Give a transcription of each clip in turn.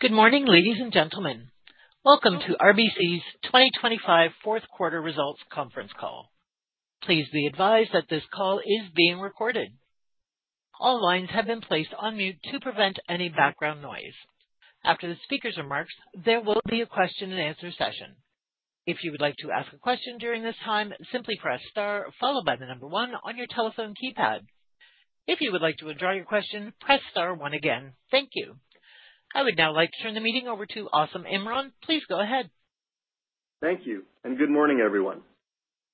Good morning, ladies and gentlemen. Welcome to RBC's 2025 fourth quarter results conference call. Please be advised that this call is being recorded. All lines have been placed on mute to prevent any background noise. After the speaker's remarks, there will be a question-and-answer session. If you would like to ask a question during this time, simply press star followed by the number one on your telephone keypad. If you would like to withdraw your question, press star one again. Thank you. I would now like to turn the meeting over to Asim Imran. Please go ahead. Thank you, and good morning, everyone.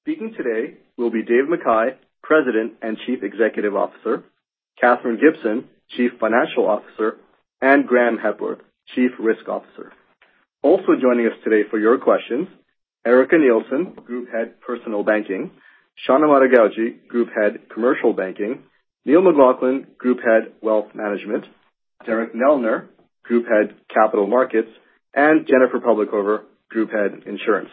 Speaking today will be Dave McKay, President and Chief Executive Officer, Katherine Gibson, Chief Financial Officer, and Graeme Hepworth, Chief Risk Officer. Also joining us today for your questions: Erica Nielsen, Group Head, Personal Banking; Sean Amato-Gauci, Group Head, Commercial Banking; Neil McLaughlin, Group Head, Wealth Management; Derek Neldner, Group Head, Capital Markets; and Jennifer Publicover, Group Head, Insurance.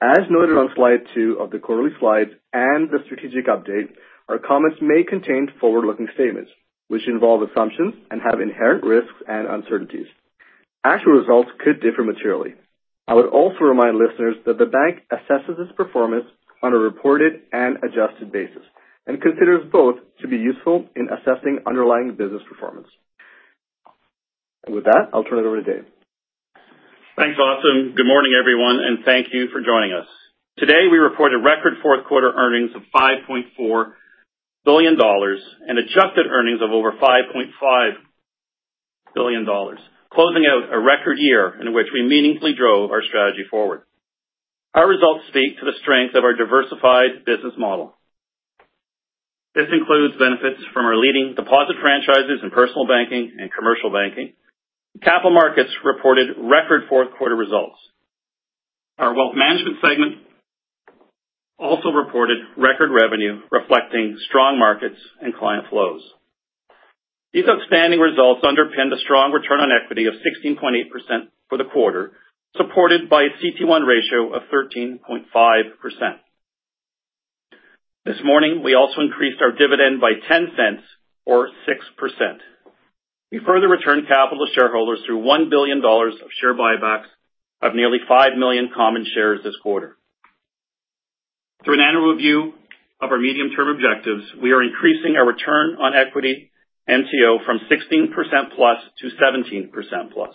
As noted on slide two of the quarterly slides and the strategic update, our comments may contain forward-looking statements which involve assumptions and have inherent risks and uncertainties. Actual results could differ materially. I would also remind listeners that the bank assesses its performance on a reported and adjusted basis and considers both to be useful in assessing underlying business performance. With that, I'll turn it over to Dave. Thanks, Asim. Good morning, everyone, and thank you for joining us. Today, we reported record fourth quarter earnings of 5.4 billion dollars and adjusted earnings of over 5.5 billion dollars, closing out a record year in which we meaningfully drove our strategy forward. Our results speak to the strength of our diversified business model. This includes benefits from our leading deposit franchises in Personal Banking and Commercial Banking. Capital Markets reported record fourth quarter results. Our Wealth Management segment also reported record revenue, reflecting strong markets and client flows. These outstanding results underpinned a strong return on equity of 16.8% for the quarter, supported by a CET1 ratio of 13.5%. This morning, we also increased our dividend by 0.10, or 6%. We further returned capital to shareholders through 1 billion dollars of share buybacks of nearly 5 million common shares this quarter. Through an annual review of our medium-term objectives, we are increasing our return on equity NTO from 16%+ to 17%+.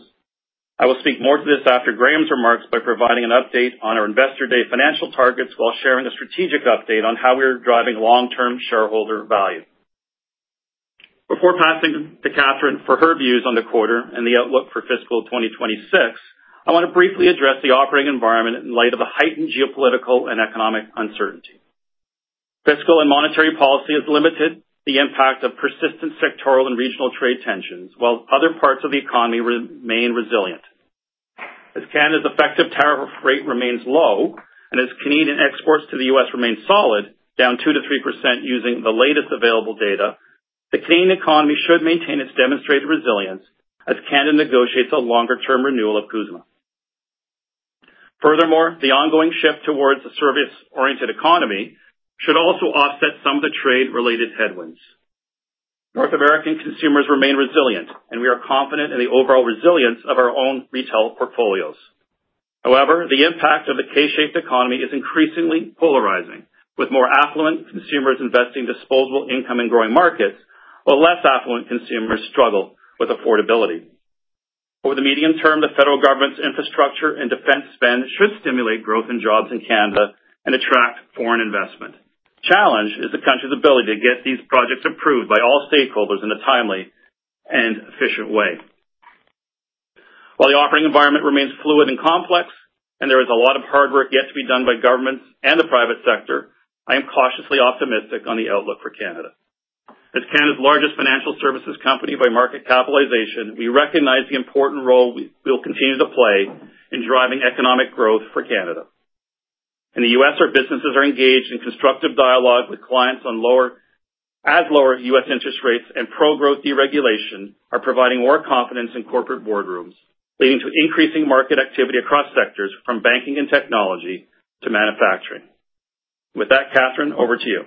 I will speak more to this after Graeme's remarks by providing an update on our investor day financial targets while sharing a strategic update on how we are driving long-term shareholder value. Before passing to Katherine for her views on the quarter and the outlook for fiscal 2026, I want to briefly address the operating environment in light of the heightened geopolitical and economic uncertainty. Fiscal and monetary policy has limited the impact of persistent sectoral and regional trade tensions, while other parts of the economy remain resilient. As Canada's effective tariff rate remains low and as Canadian exports to the U.S. remain solid, down 2%-3% using the latest available data, the Canadian economy should maintain its demonstrated resilience as Canada negotiates a longer-term renewal of CUSMA. Furthermore, the ongoing shift towards a service-oriented economy should also offset some of the trade-related headwinds. North American consumers remain resilient, and we are confident in the overall resilience of our own retail portfolios. However, the impact of the K-shaped economy is increasingly polarizing, with more affluent consumers investing disposable income in growing markets, while less affluent consumers struggle with affordability. Over the medium term, the federal government's infrastructure and defense spend should stimulate growth in jobs in Canada and attract foreign investment. The challenge is the country's ability to get these projects approved by all stakeholders in a timely and efficient way. While the operating environment remains fluid and complex, and there is a lot of hard work yet to be done by governments and the private sector, I am cautiously optimistic on the outlook for Canada. As Canada's largest financial services company by market capitalization, we recognize the important role we will continue to play in driving economic growth for Canada. In the U.S., our businesses are engaged in constructive dialogue with clients as lower U.S. interest rates and pro-growth deregulation are providing more confidence in corporate boardrooms, leading to increasing market activity across sectors, from banking and technology to manufacturing. With that, Katherine, over to you.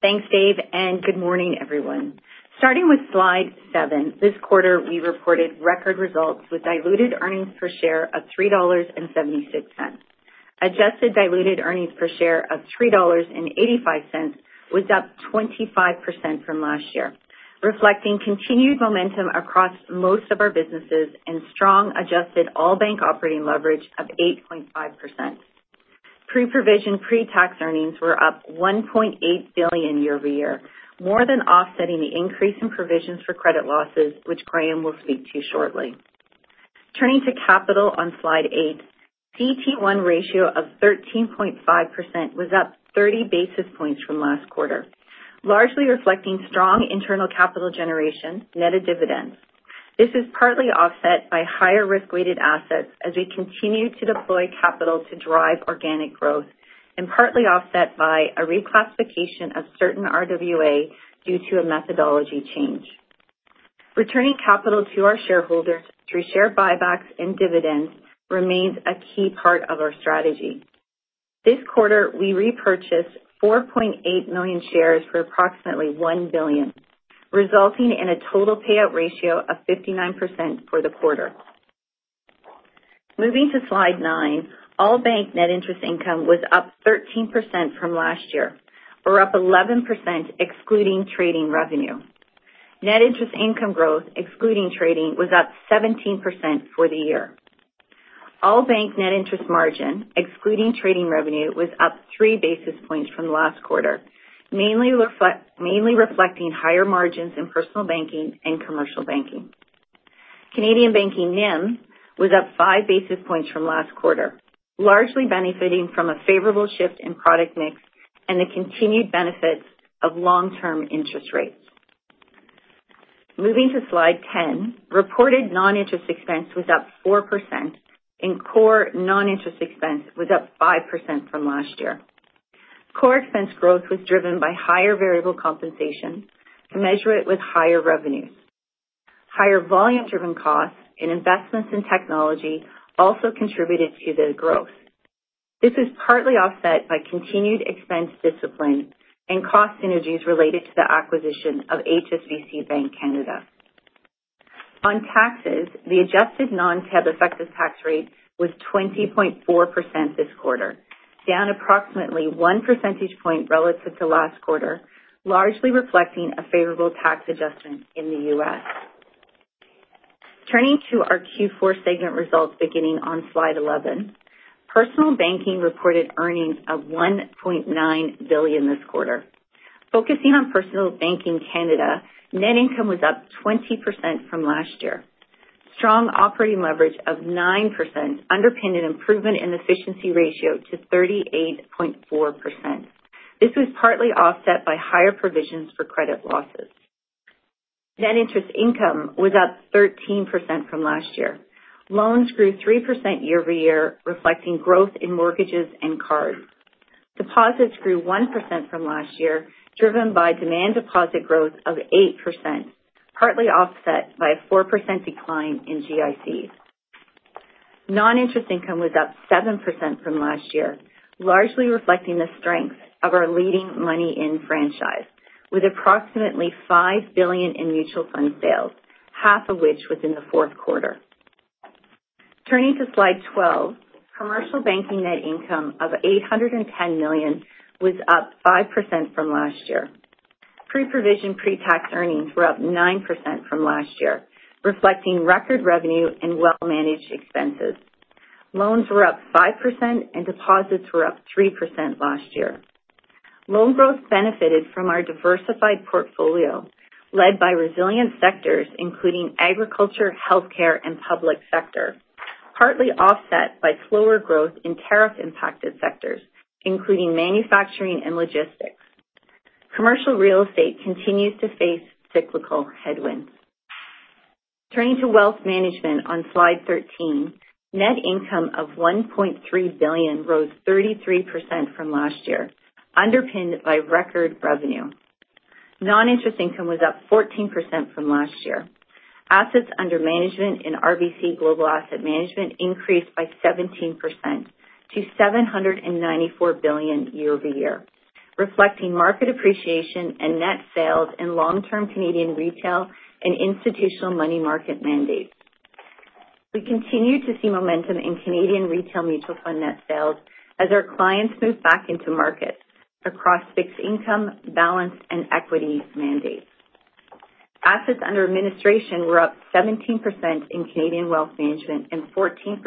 Thanks, Dave, and good morning, everyone. Starting with slide seven, this quarter, we reported record results with diluted earnings per share of 3.76 dollars. Adjusted diluted earnings per share of 3.85 dollars was up 25% from last year, reflecting continued momentum across most of our businesses and strong adjusted all bank operating leverage of 8.5%. Pre-provision pretax earnings were up 1.8 billion year-over-year, more than offsetting the increase in provisions for credit losses, which Graeme will speak to shortly. Turning to capital on slide eight, CET1 ratio of 13.5% was up 30 basis points from last quarter, largely reflecting strong internal capital generation, net of dividends. This is partly offset by higher risk-weighted assets as we continue to deploy capital to drive organic growth, and partly offset by a reclassification of certain RWA due to a methodology change. Returning capital to our shareholders through share buybacks and dividends remains a key part of our strategy. This quarter, we repurchased 4.8 million shares for approximately 1 billion, resulting in a total payout ratio of 59% for the quarter. Moving to slide nine, all bank net interest income was up 13% from last year, or up 11% excluding trading revenue. Net interest income growth, excluding trading, was up 17% for the year. All bank net interest margin, excluding trading revenue, was up three basis points from last quarter, mainly reflecting higher margins in personal banking and commercial banking. Canadian banking NIM was up five basis points from last quarter, largely benefiting from a favorable shift in product mix and the continued benefits of long-term interest rates. Moving to slide 10, reported non-interest expense was up 4%, and core non-interest expense was up 5% from last year. Core expense growth was driven by higher variable compensation to measure it with higher revenues. Higher volume-driven costs and investments in technology also contributed to the growth. This is partly offset by continued expense discipline and cost synergies related to the acquisition of HSBC Bank Canada. On taxes, the adjusted non-TEB effective tax rate was 20.4% this quarter, down approximately one percentage point relative to last quarter, largely reflecting a favorable tax adjustment in the U.S. Turning to our Q4 segment results beginning on slide 11, personal banking reported earnings of 1.9 billion this quarter. Focusing on personal banking Canada, net income was up 20% from last year. Strong operating leverage of 9% underpinned an improvement in efficiency ratio to 38.4%. This was partly offset by higher provisions for credit losses. Net interest income was up 13% from last year. Loans grew 3% year-over-year, reflecting growth in mortgages and cards. Deposits grew 1% from last year, driven by demand deposit growth of 8%, partly offset by a 4% decline in GICs. Non-interest income was up 7% from last year, largely reflecting the strength of our leading money-in franchise, with approximately 5 billion in mutual fund sales, half of which was in the fourth quarter. Turning to slide 12, commercial banking net income of 810 million was up 5% from last year. Pre-provision pretax earnings were up 9% from last year, reflecting record revenue and well-managed expenses. Loans were up 5%, and deposits were up 3% last year. Loan growth benefited from our diversified portfolio led by resilient sectors, including agriculture, healthcare, and public sector, partly offset by slower growth in tariff-impacted sectors, including manufacturing and logistics. Commercial real estate continues to face cyclical headwinds. Turning to wealth management on slide 13, net income of 1.3 billion rose 33% from last year, underpinned by record revenue. Non-interest income was up 14% from last year. Assets under management in RBC Global Asset Management increased by 17% to 794 billion year-over-year, reflecting market appreciation and net sales in long-term Canadian retail and institutional money market mandates. We continue to see momentum in Canadian retail mutual fund net sales as our clients move back into markets across fixed income, balance, and equity mandates. Assets under administration were up 17% in Canadian wealth management and 14%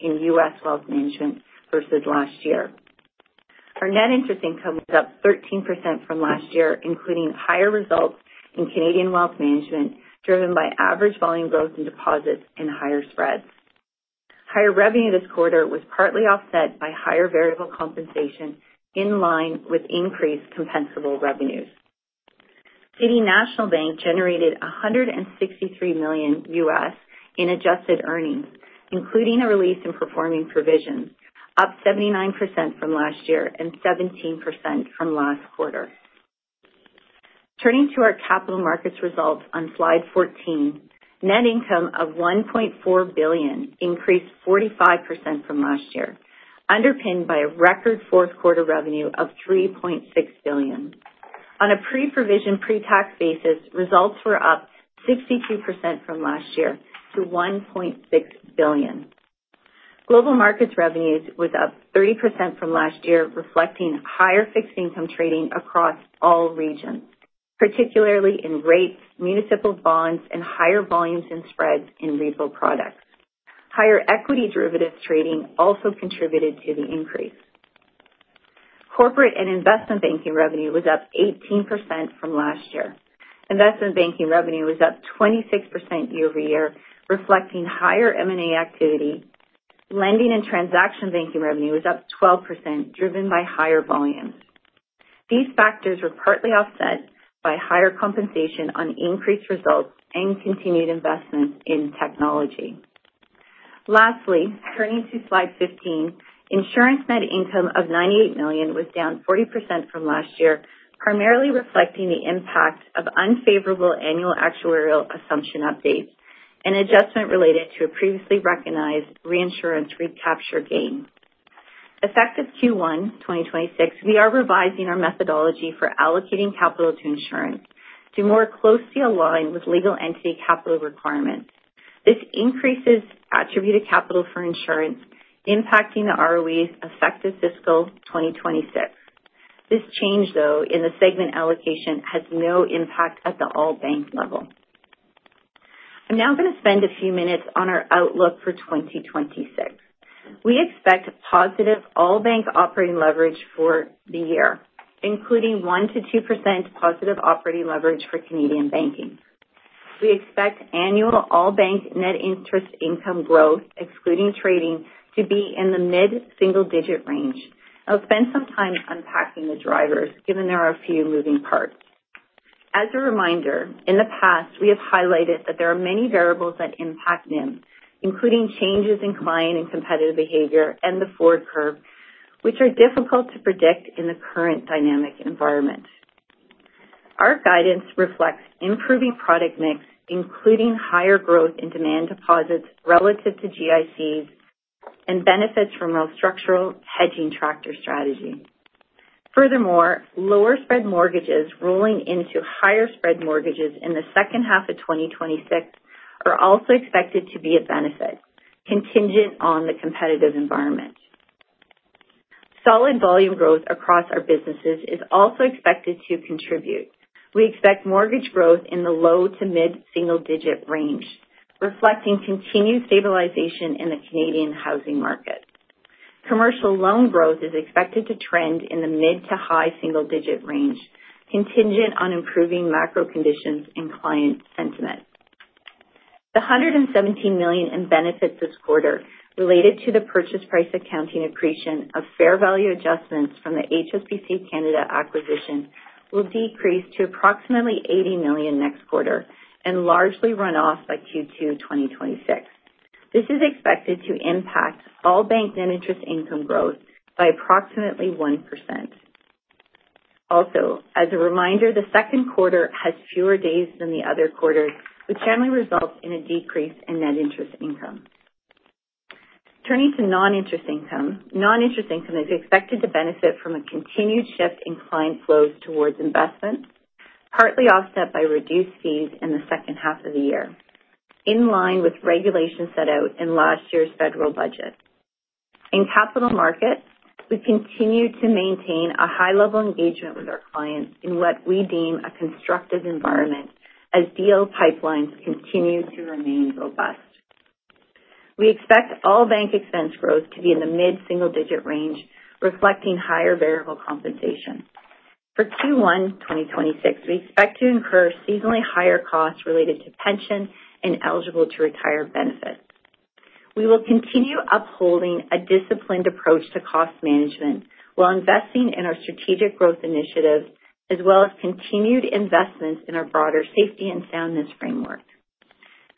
in U.S. wealth management versus last year. Our net interest income was up 13% from last year, including higher results in Canadian wealth management driven by average volume growth in deposits and higher spreads. Higher revenue this quarter was partly offset by higher variable compensation in line with increased compensable revenues. City National Bank generated $163 million in adjusted earnings, including a release in performing provisions, up 79% from last year and 17% from last quarter. Turning to our capital markets results on slide 14, net income of 1.4 billion increased 45% from last year, underpinned by a record fourth quarter revenue of 3.6 billion. On a pre-provision pretax basis, results were up 62% from last year to 1.6 billion. Global markets revenues were up 30% from last year, reflecting higher fixed income trading across all regions, particularly in rates, municipal bonds, and higher volumes and spreads in repo products. Higher equity derivatives trading also contributed to the increase. Corporate and investment banking revenue was up 18% from last year. Investment banking revenue was up 26% year-over-year, reflecting higher M&A activity. Lending and transaction banking revenue was up 12%, driven by higher volumes. These factors were partly offset by higher compensation on increased results and continued investments in technology. Lastly, turning to slide 15, insurance net income of 98 million was down 40% from last year, primarily reflecting the impact of unfavorable annual actuarial assumption updates and adjustment related to a previously recognized reinsurance recapture gain. Effective Q1 2026, we are revising our methodology for allocating capital to insurance to more closely align with legal entity capital requirements. This increases attributed capital for insurance, impacting the ROEs effective fiscal 2026. This change, though, in the segment allocation has no impact at the all bank level. I'm now going to spend a few minutes on our outlook for 2026. We expect positive all bank operating leverage for the year, including 1%-2% positive operating leverage for Canadian banking. We expect annual all bank net interest income growth, excluding trading, to be in the mid-single digit range. I'll spend some time unpacking the drivers, given there are a few moving parts. As a reminder, in the past, we have highlighted that there are many variables that impact NIM, including changes in client and competitive behavior and the forward curve, which are difficult to predict in the current dynamic environment. Our guidance reflects improving product mix, including higher growth in demand deposits relative to GICs and benefits from a structural hedging and FX strategy. Furthermore, lower spread mortgages rolling into higher spread mortgages in the second half of 2026 are also expected to be a benefit, contingent on the competitive environment. Solid volume growth across our businesses is also expected to contribute. We expect mortgage growth in the low to mid-single digit range, reflecting continued stabilization in the Canadian housing market. Commercial loan growth is expected to trend in the mid to high single digit range, contingent on improving macro conditions and client sentiment. The 117 million in benefits this quarter, related to the purchase price accounting accretion of fair value adjustments from the HSBC Bank Canada acquisition, will decrease to approximately 80 million next quarter and largely run off by Q2 2026. This is expected to impact all bank net interest income growth by approximately 1%. Also, as a reminder, the second quarter has fewer days than the other quarters, which generally results in a decrease in net interest income. Turning to non-interest income, non-interest income is expected to benefit from a continued shift in client flows towards investment, partly offset by reduced fees in the second half of the year, in line with regulations set out in last year's federal budget. In capital markets, we continue to maintain a high-level engagement with our clients in what we deem a constructive environment as deal pipelines continue to remain robust. We expect all bank expense growth to be in the mid-single digit range, reflecting higher variable compensation. For Q1 2026, we expect to incur seasonally higher costs related to pension and eligible-to-retire benefits. We will continue upholding a disciplined approach to cost management while investing in our strategic growth initiatives, as well as continued investments in our broader safety and soundness framework.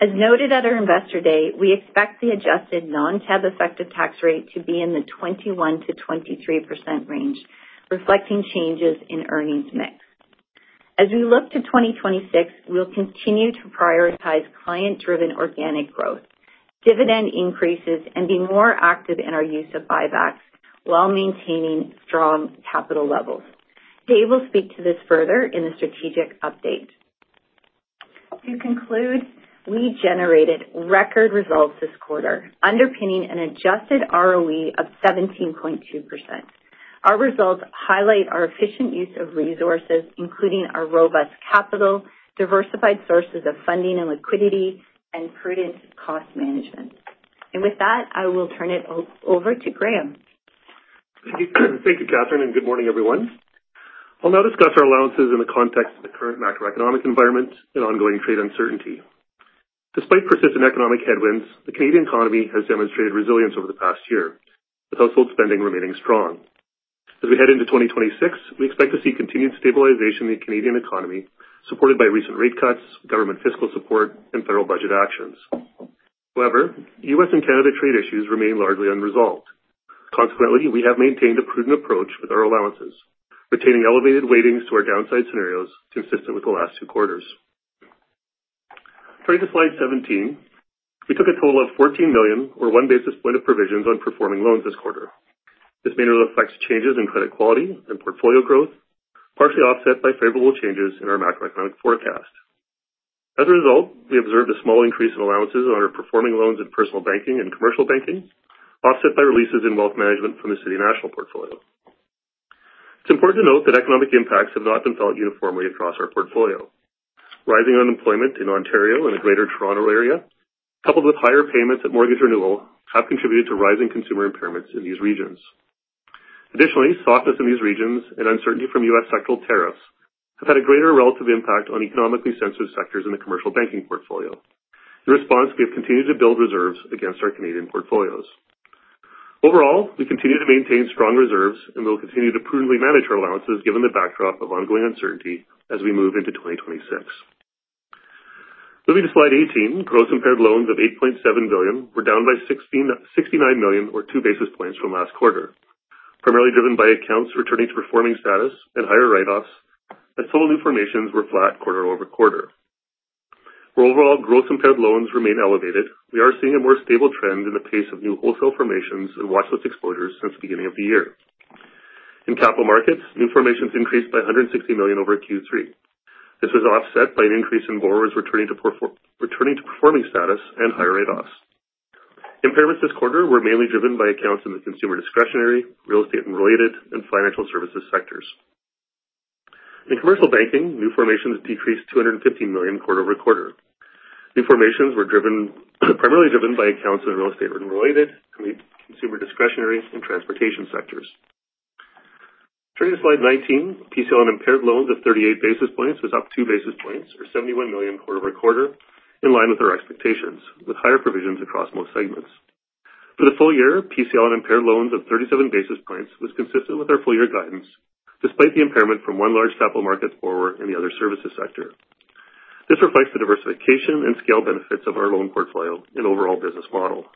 As noted at our investor day, we expect the adjusted non-TEB effective tax rate to be in the 21%-23% range, reflecting changes in earnings mix. As we look to 2026, we'll continue to prioritize client-driven organic growth, dividend increases, and be more active in our use of buybacks while maintaining strong capital levels. Dave will speak to this further in the strategic update. To conclude, we generated record results this quarter, underpinning an adjusted ROE of 17.2%. Our results highlight our efficient use of resources, including our robust capital, diversified sources of funding and liquidity, and prudent cost management. And with that, I will turn it over to Graeme. Thank you, Katherine, and good morning, everyone. I'll now discuss our allowances in the context of the current macroeconomic environment and ongoing trade uncertainty. Despite persistent economic headwinds, the Canadian economy has demonstrated resilience over the past year, with household spending remaining strong. As we head into 2026, we expect to see continued stabilization in the Canadian economy, supported by recent rate cuts, government fiscal support, and federal budget actions. However, U.S. and Canada trade issues remain largely unresolved. Consequently, we have maintained a prudent approach with our allowances, retaining elevated weightings to our downside scenarios consistent with the last two quarters. Turning to slide 17, we took a total of 14 million, or one basis point of provisions, on performing loans this quarter. This mainly reflects changes in credit quality and portfolio growth, partially offset by favorable changes in our macroeconomic forecast. As a result, we observed a small increase in allowances on our performing loans in personal banking and commercial banking, offset by releases in wealth management from the City National portfolio. It's important to note that economic impacts have not been felt uniformly across our portfolio. Rising unemployment in Ontario and the Greater Toronto Area, coupled with higher payments at mortgage renewal, have contributed to rising consumer impairments in these regions. Additionally, softness in these regions and uncertainty from U.S. sectoral tariffs have had a greater relative impact on economically sensitive sectors in the commercial banking portfolio. In response, we have continued to build reserves against our Canadian portfolios. Overall, we continue to maintain strong reserves, and we'll continue to prudently manage our allowances given the backdrop of ongoing uncertainty as we move into 2026. Moving to slide 18, gross impaired loans of 8.7 billion were down by 69 million, or two basis points from last quarter, primarily driven by accounts returning to performing status and higher write-offs, as total new formations were flat quarter over quarter. Where overall gross impaired loans remain elevated, we are seeing a more stable trend in the pace of new wholesale formations and watchlist exposures since the beginning of the year. In capital markets, new formations increased by 160 million over Q3. This was offset by an increase in borrowers returning to performing status and higher write-offs. Impairments this quarter were mainly driven by accounts in the consumer discretionary, real estate and related, and financial services sectors. In commercial banking, new formations decreased 250 million quarter over quarter. New formations were primarily driven by accounts in real estate and related, consumer discretionary, and transportation sectors. Turning to slide 19, PCLN impaired loans of 38 basis points was up two basis points, or 71 million quarter over quarter, in line with our expectations, with higher provisions across most segments. For the full year, PCLN impaired loans of 37 basis points was consistent with our full year guidance, despite the impairment from one large capital markets borrower and the other services sector. This reflects the diversification and scale benefits of our loan portfolio and overall business model.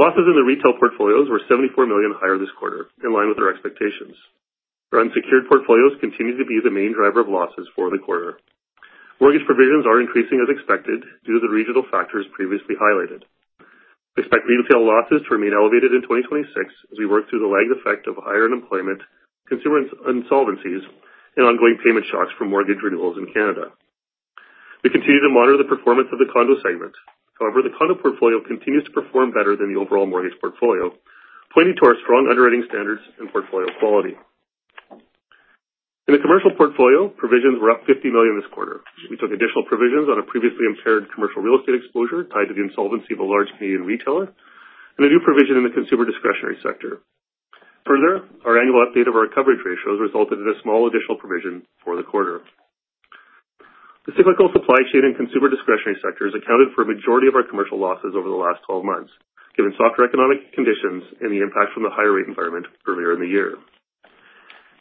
Losses in the retail portfolios were 74 million higher this quarter, in line with our expectations. Our unsecured portfolios continue to be the main driver of losses for the quarter. Mortgage provisions are increasing as expected due to the regional factors previously highlighted. We expect retail losses to remain elevated in 2026 as we work through the lagged effect of higher unemployment, consumer insolvencies, and ongoing payment shocks from mortgage renewals in Canada. We continue to monitor the performance of the condo segment. However, the condo portfolio continues to perform better than the overall mortgage portfolio, pointing to our strong underwriting standards and portfolio quality. In the commercial portfolio, provisions were up 50 million this quarter. We took additional provisions on a previously impaired commercial real estate exposure tied to the insolvency of a large Canadian retailer and a new provision in the consumer discretionary sector. Further, our annual update of our coverage ratios resulted in a small additional provision for the quarter. The cyclical supply chain and consumer discretionary sectors accounted for a majority of our commercial losses over the last 12 months, given softer economic conditions and the impact from the higher rate environment earlier in the year.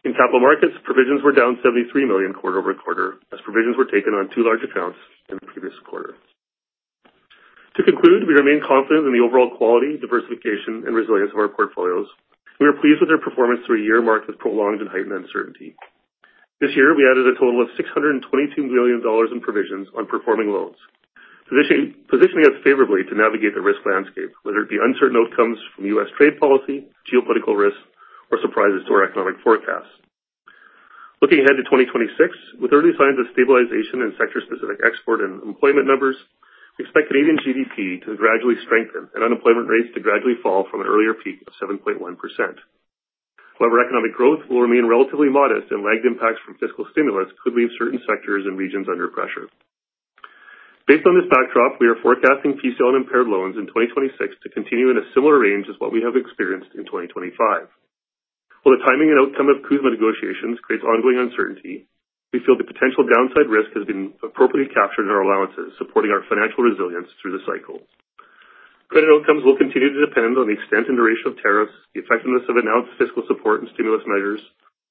In capital markets, provisions were down 73 million quarter over quarter as provisions were taken on two large accounts in the previous quarter. To conclude, we remain confident in the overall quality, diversification, and resilience of our portfolios. We are pleased with our performance through a year marked with prolonged and heightened uncertainty. This year, we added a total of 622 million dollars in provisions on performing loans, positioning us favorably to navigate the risk landscape, whether it be uncertain outcomes from U.S. trade policy, geopolitical risks, or surprises to our economic forecasts. Looking ahead to 2026, with early signs of stabilization in sector-specific export and employment numbers, we expect Canadian GDP to gradually strengthen and unemployment rates to gradually fall from an earlier peak of 7.1%. However, economic growth will remain relatively modest, and lagged impacts from fiscal stimulus could leave certain sectors and regions under pressure. Based on this backdrop, we are forecasting PCL on impaired loans in 2026 to continue in a similar range as what we have experienced in 2025. While the timing and outcome of CUSMA negotiations creates ongoing uncertainty, we feel the potential downside risk has been appropriately captured in our allowances, supporting our financial resilience through the cycle. Credit outcomes will continue to depend on the extent and duration of tariffs, the effectiveness of announced fiscal support and stimulus measures,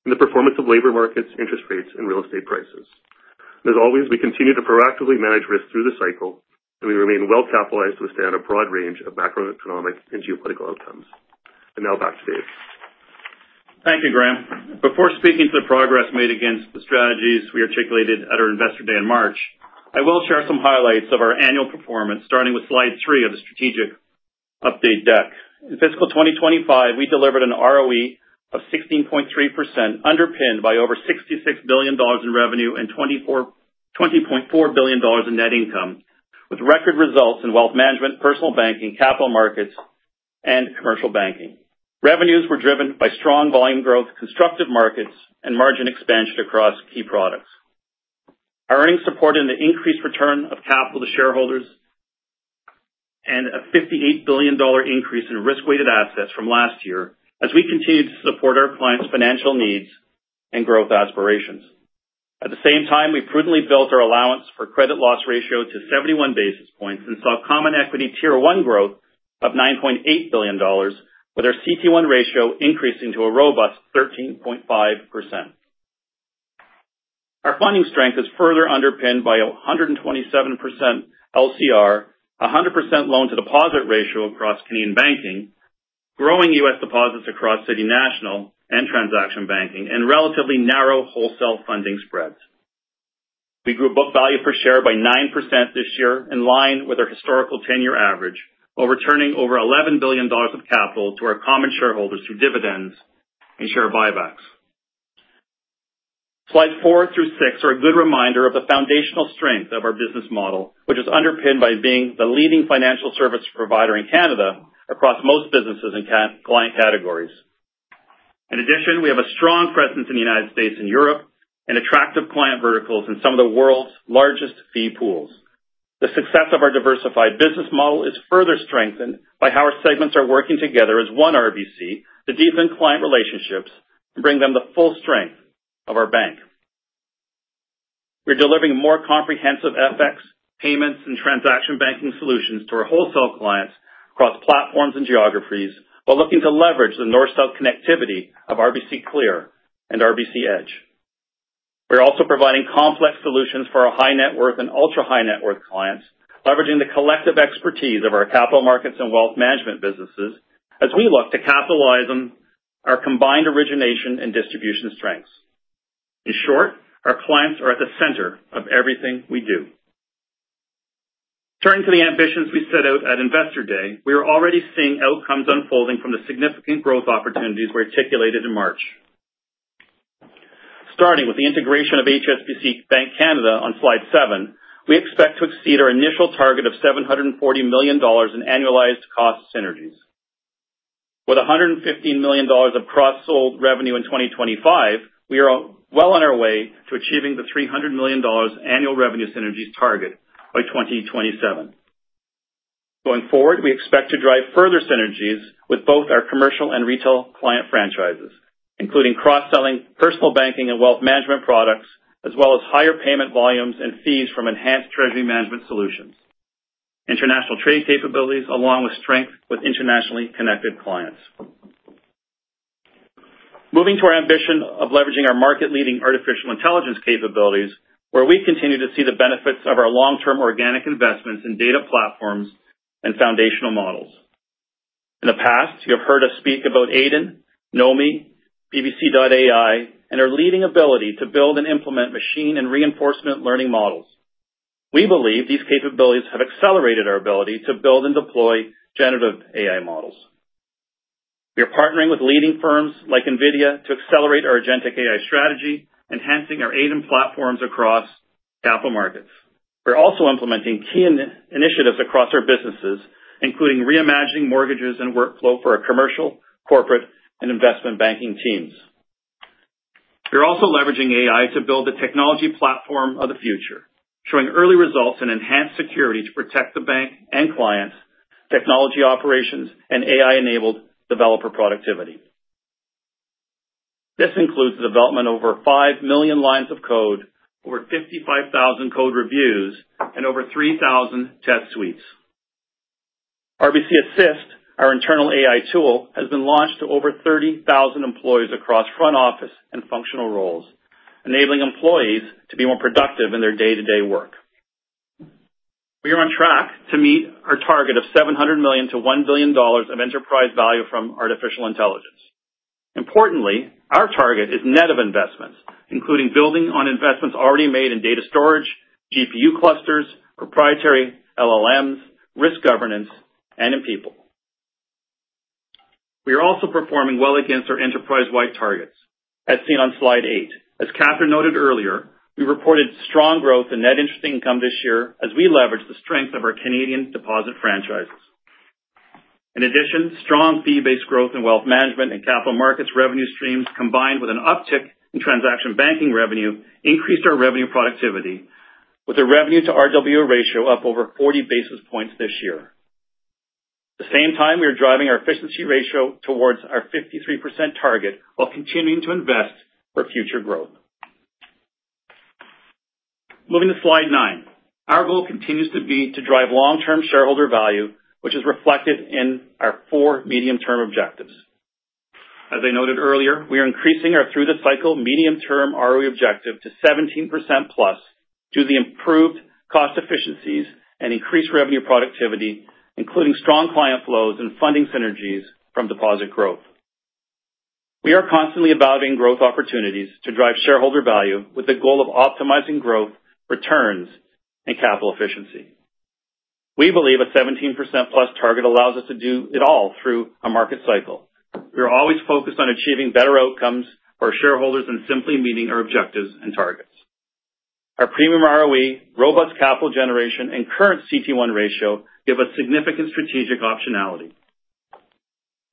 and the performance of labor markets, interest rates, and real estate prices. As always, we continue to proactively manage risk through the cycle, and we remain well-capitalized to withstand a broad range of macroeconomic and geopolitical outcomes, and now, back to Dave. Thank you, Graeme. Before speaking to the progress made against the strategies we articulated at our investor day in March, I will share some highlights of our annual performance, starting with slide three of the strategic update deck. In fiscal 2025, we delivered an ROE of 16.3%, underpinned by over 66 billion dollars in revenue and 24.4 billion dollars in net income, with record results in wealth management, personal banking, capital markets, and commercial banking. Revenues were driven by strong volume growth, constructive markets, and margin expansion across key products. Our earnings supported the increased return of capital to shareholders and a 58 billion dollar increase in risk-weighted assets from last year as we continued to support our clients' financial needs and growth aspirations. At the same time, we prudently built our allowance for credit loss ratio to 71 basis points and saw Common Equity Tier 1 growth of 9.8 billion dollars, with our CET1 ratio increasing to a robust 13.5%. Our funding strength is further underpinned by a 127% LCR, 100% loan-to-deposit ratio across Canadian banking, growing U.S. deposits across City National and transaction banking, and relatively narrow wholesale funding spreads. We grew book value per share by 9% this year, in line with our historical 10-year average, while returning over 11 billion dollars of capital to our common shareholders through dividends and share buybacks. Slides four through six are a good reminder of the foundational strength of our business model, which is underpinned by being the leading financial service provider in Canada across most businesses and client categories. In addition, we have a strong presence in the United States and Europe, and attractive client verticals in some of the world's largest fee pools. The success of our diversified business model is further strengthened by how our segments are working together as one RBC to deepen client relationships and bring them the full strength of our bank. We're delivering more comprehensive FX, payments, and transaction banking solutions to our wholesale clients across platforms and geographies while looking to leverage the north-south connectivity of RBC Clear and RBC Edge. We're also providing complex solutions for our high-net-worth and ultra-high-net-worth clients, leveraging the collective expertise of our capital markets and wealth management businesses as we look to capitalize on our combined origination and distribution strengths. In short, our clients are at the center of everything we do. Turning to the ambitions we set out at investor day, we are already seeing outcomes unfolding from the significant growth opportunities we articulated in March. Starting with the integration of HSBC Bank Canada on slide seven, we expect to exceed our initial target of 740 million dollars in annualized cost synergies. With 115 million dollars of cross-sold revenue in 2025, we are well on our way to achieving the 300 million dollars annual revenue synergies target by 2027. Going forward, we expect to drive further synergies with both our commercial and retail client franchises, including cross-selling personal banking and wealth management products, as well as higher payment volumes and fees from enhanced treasury management solutions, international trade capabilities, along with strength with internationally connected clients. Moving to our ambition of leveraging our market-leading artificial intelligence capabilities, where we continue to see the benefits of our long-term organic investments in data platforms and foundational models. In the past, you have heard us speak about Aiden, Nomi, Borealis AI, and our leading ability to build and implement machine and reinforcement learning models. We believe these capabilities have accelerated our ability to build and deploy generative AI models. We are partnering with leading firms like NVIDIA to accelerate our agentic AI strategy, enhancing our Aiden platforms across capital markets. We're also implementing key initiatives across our businesses, including reimagining mortgages and workflow for our commercial, corporate, and investment banking teams. We're also leveraging AI to build the technology platform of the future, showing early results in enhanced security to protect the bank and clients, technology operations, and AI-enabled developer productivity. This includes the development of over 5 million lines of code, over 55,000 code reviews, and over 3,000 test suites. RBC Assist, our internal AI tool, has been launched to over 30,000 employees across front office and functional roles, enabling employees to be more productive in their day-to-day work. We are on track to meet our target of 700 million-1 billion dollars of enterprise value from artificial intelligence. Importantly, our target is net of investments, including building on investments already made in data storage, GPU clusters, proprietary LLMs, risk governance, and in people. We are also performing well against our enterprise-wide targets, as seen on slide eight. As Katherine noted earlier, we reported strong growth in net interest income this year as we leveraged the strength of our Canadian deposit franchises. In addition, strong fee-based growth in wealth management and capital markets revenue streams, combined with an uptick in transaction banking revenue, increased our revenue productivity, with a revenue-to-RWA ratio up over 40 basis points this year. At the same time, we are driving our efficiency ratio towards our 53% target while continuing to invest for future growth. Moving to slide nine, our goal continues to be to drive long-term shareholder value, which is reflected in our four medium-term objectives. As I noted earlier, we are increasing our through-the-cycle medium-term ROE objective to 17%+ due to the improved cost efficiencies and increased revenue productivity, including strong client flows and funding synergies from deposit growth. We are constantly evaluating growth opportunities to drive shareholder value with the goal of optimizing growth, returns, and capital efficiency. We believe a 17+ target allows us to do it all through a market cycle. We are always focused on achieving better outcomes for our shareholders than simply meeting our objectives and targets. Our premium ROE, robust capital generation, and current CET1 ratio give us significant strategic optionality.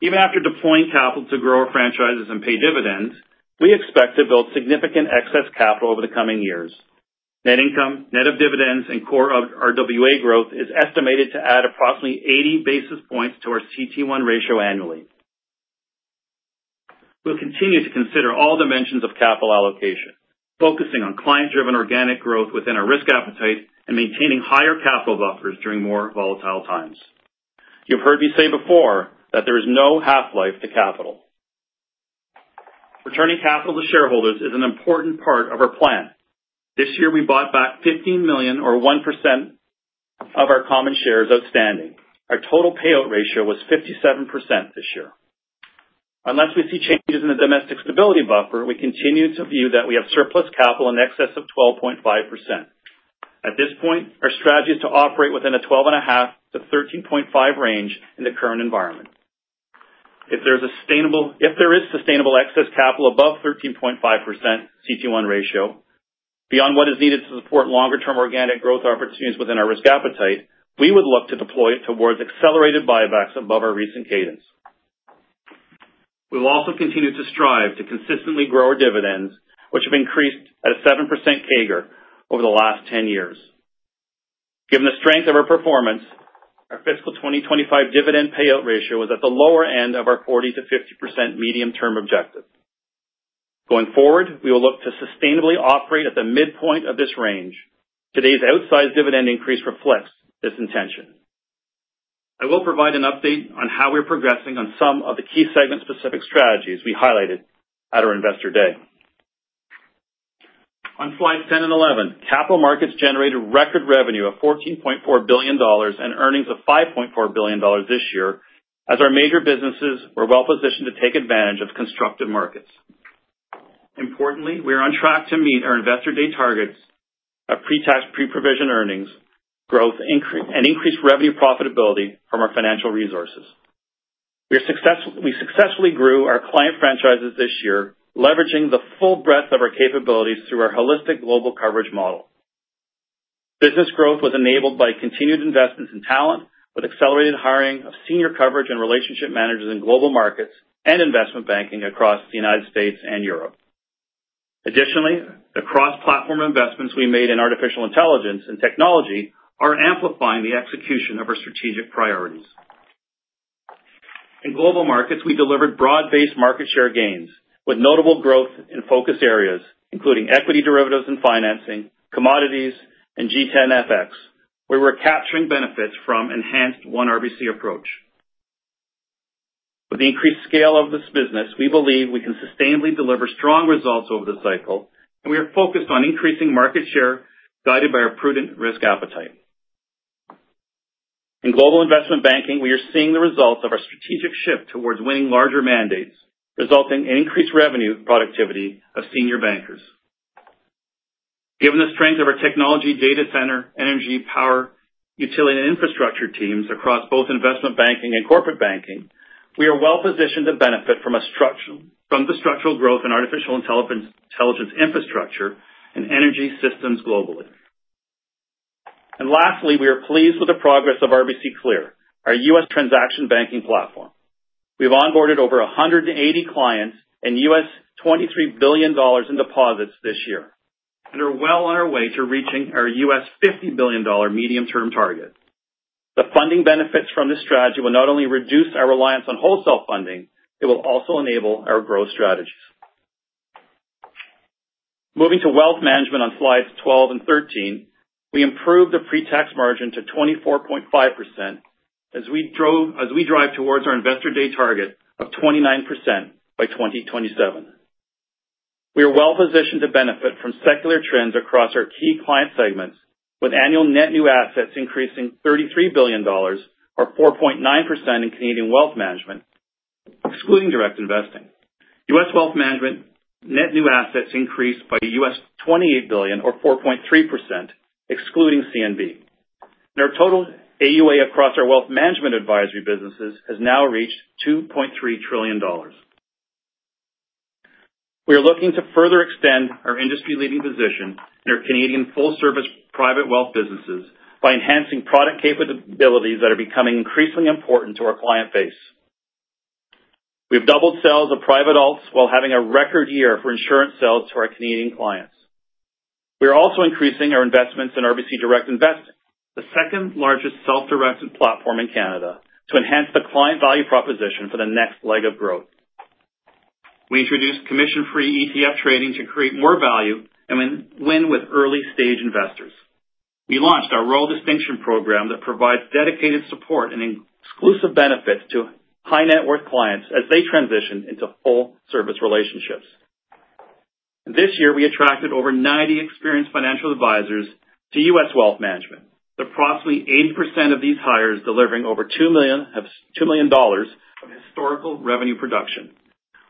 Even after deploying capital to grow our franchises and pay dividends, we expect to build significant excess capital over the coming years. Net income, net of dividends, and core RWA growth is estimated to add approximately 80 basis points to our CET1 ratio annually. We'll continue to consider all dimensions of capital allocation, focusing on client-driven organic growth within our risk appetite and maintaining higher capital buffers during more volatile times. You've heard me say before that there is no half-life to capital. Returning capital to shareholders is an important part of our plan. This year, we bought back 15 million, or 1% of our common shares, outstanding. Our total payout ratio was 57% this year. Unless we see changes in the domestic stability buffer, we continue to view that we have surplus capital in excess of 12.5%. At this point, our strategy is to operate within a 12.5%-13.5% range in the current environment. If there is sustainable excess capital above 13.5% CET1 ratio, beyond what is needed to support longer-term organic growth opportunities within our risk appetite, we would look to deploy it towards accelerated buybacks above our recent cadence. We will also continue to strive to consistently grow our dividends, which have increased at a 7% CAGR over the last 10 years. Given the strength of our performance, our fiscal 2025 dividend payout ratio was at the lower end of our 40%-50% medium-term objective. Going forward, we will look to sustainably operate at the midpoint of this range. Today's outsized dividend increase reflects this intention. I will provide an update on how we're progressing on some of the key segment-specific strategies we highlighted at our investor day. On slides 10 and 11, Capital Markets generated record revenue of 14.4 billion dollars and earnings of 5.4 billion dollars this year as our major businesses were well-positioned to take advantage of constructive markets. Importantly, we are on track to meet our investor day targets of pre-provision, pre-tax earnings growth and increased revenue profitability from our financial resources. We successfully grew our client franchises this year, leveraging the full breadth of our capabilities through our holistic global coverage model. Business growth was enabled by continued investments in talent, with accelerated hiring of senior coverage and relationship managers in global markets and investment banking across the United States and Europe. Additionally, the cross-platform investments we made in artificial intelligence and technology are amplifying the execution of our strategic priorities. In global markets, we delivered broad-based market share gains with notable growth in focus areas, including equity derivatives and financing, commodities, and G10 FX, where we're capturing benefits from an enhanced One RBC approach. With the increased scale of this business, we believe we can sustainably deliver strong results over the cycle, and we are focused on increasing market share guided by our prudent risk appetite. In global investment banking, we are seeing the results of our strategic shift towards winning larger mandates, resulting in increased revenue productivity of senior bankers. Given the strength of our technology, data center, energy, power, utility, and infrastructure teams across both investment banking and corporate banking, we are well-positioned to benefit from the structural growth in artificial intelligence infrastructure and energy systems globally, and lastly, we are pleased with the progress of RBC Clear, our U.S. transaction banking platform. We've onboarded over 180 clients and $23 billion in deposits this year and are well on our way to reaching our $50 billion medium-term target. The funding benefits from this strategy will not only reduce our reliance on wholesale funding. It will also enable our growth strategies. Moving to wealth management on slides 12 and 13, we improved the pre-tax margin to 24.5% as we drive towards our investor day target of 29% by 2027. We are well-positioned to benefit from secular trends across our key client segments, with annual net new assets increasing 33 billion dollars, or 4.9% in Canadian wealth management, excluding direct investing. US wealth management net new assets increased by $28 billion, or 4.3%, excluding CNB. Our total AUA across our wealth management advisory businesses has now reached 2.3 trillion dollars. We are looking to further extend our industry-leading position in our Canadian full-service private wealth businesses by enhancing product capabilities that are becoming increasingly important to our client base. We have doubled sales of private alts while having a record year for insurance sales to our Canadian clients. We are also increasing our investments in RBC Direct Investing, the second largest self-directed platform in Canada, to enhance the client value proposition for the next leg of growth. We introduced commission-free ETF trading to create more value and win with early-stage investors. We launched our Role Distinction Program that provides dedicated support and exclusive benefits to high-net-worth clients as they transition into full-service relationships. This year, we attracted over 90 experienced financial advisors to U.S. wealth management, with approximately 80% of these hires delivering over 2 million dollars of historical revenue production.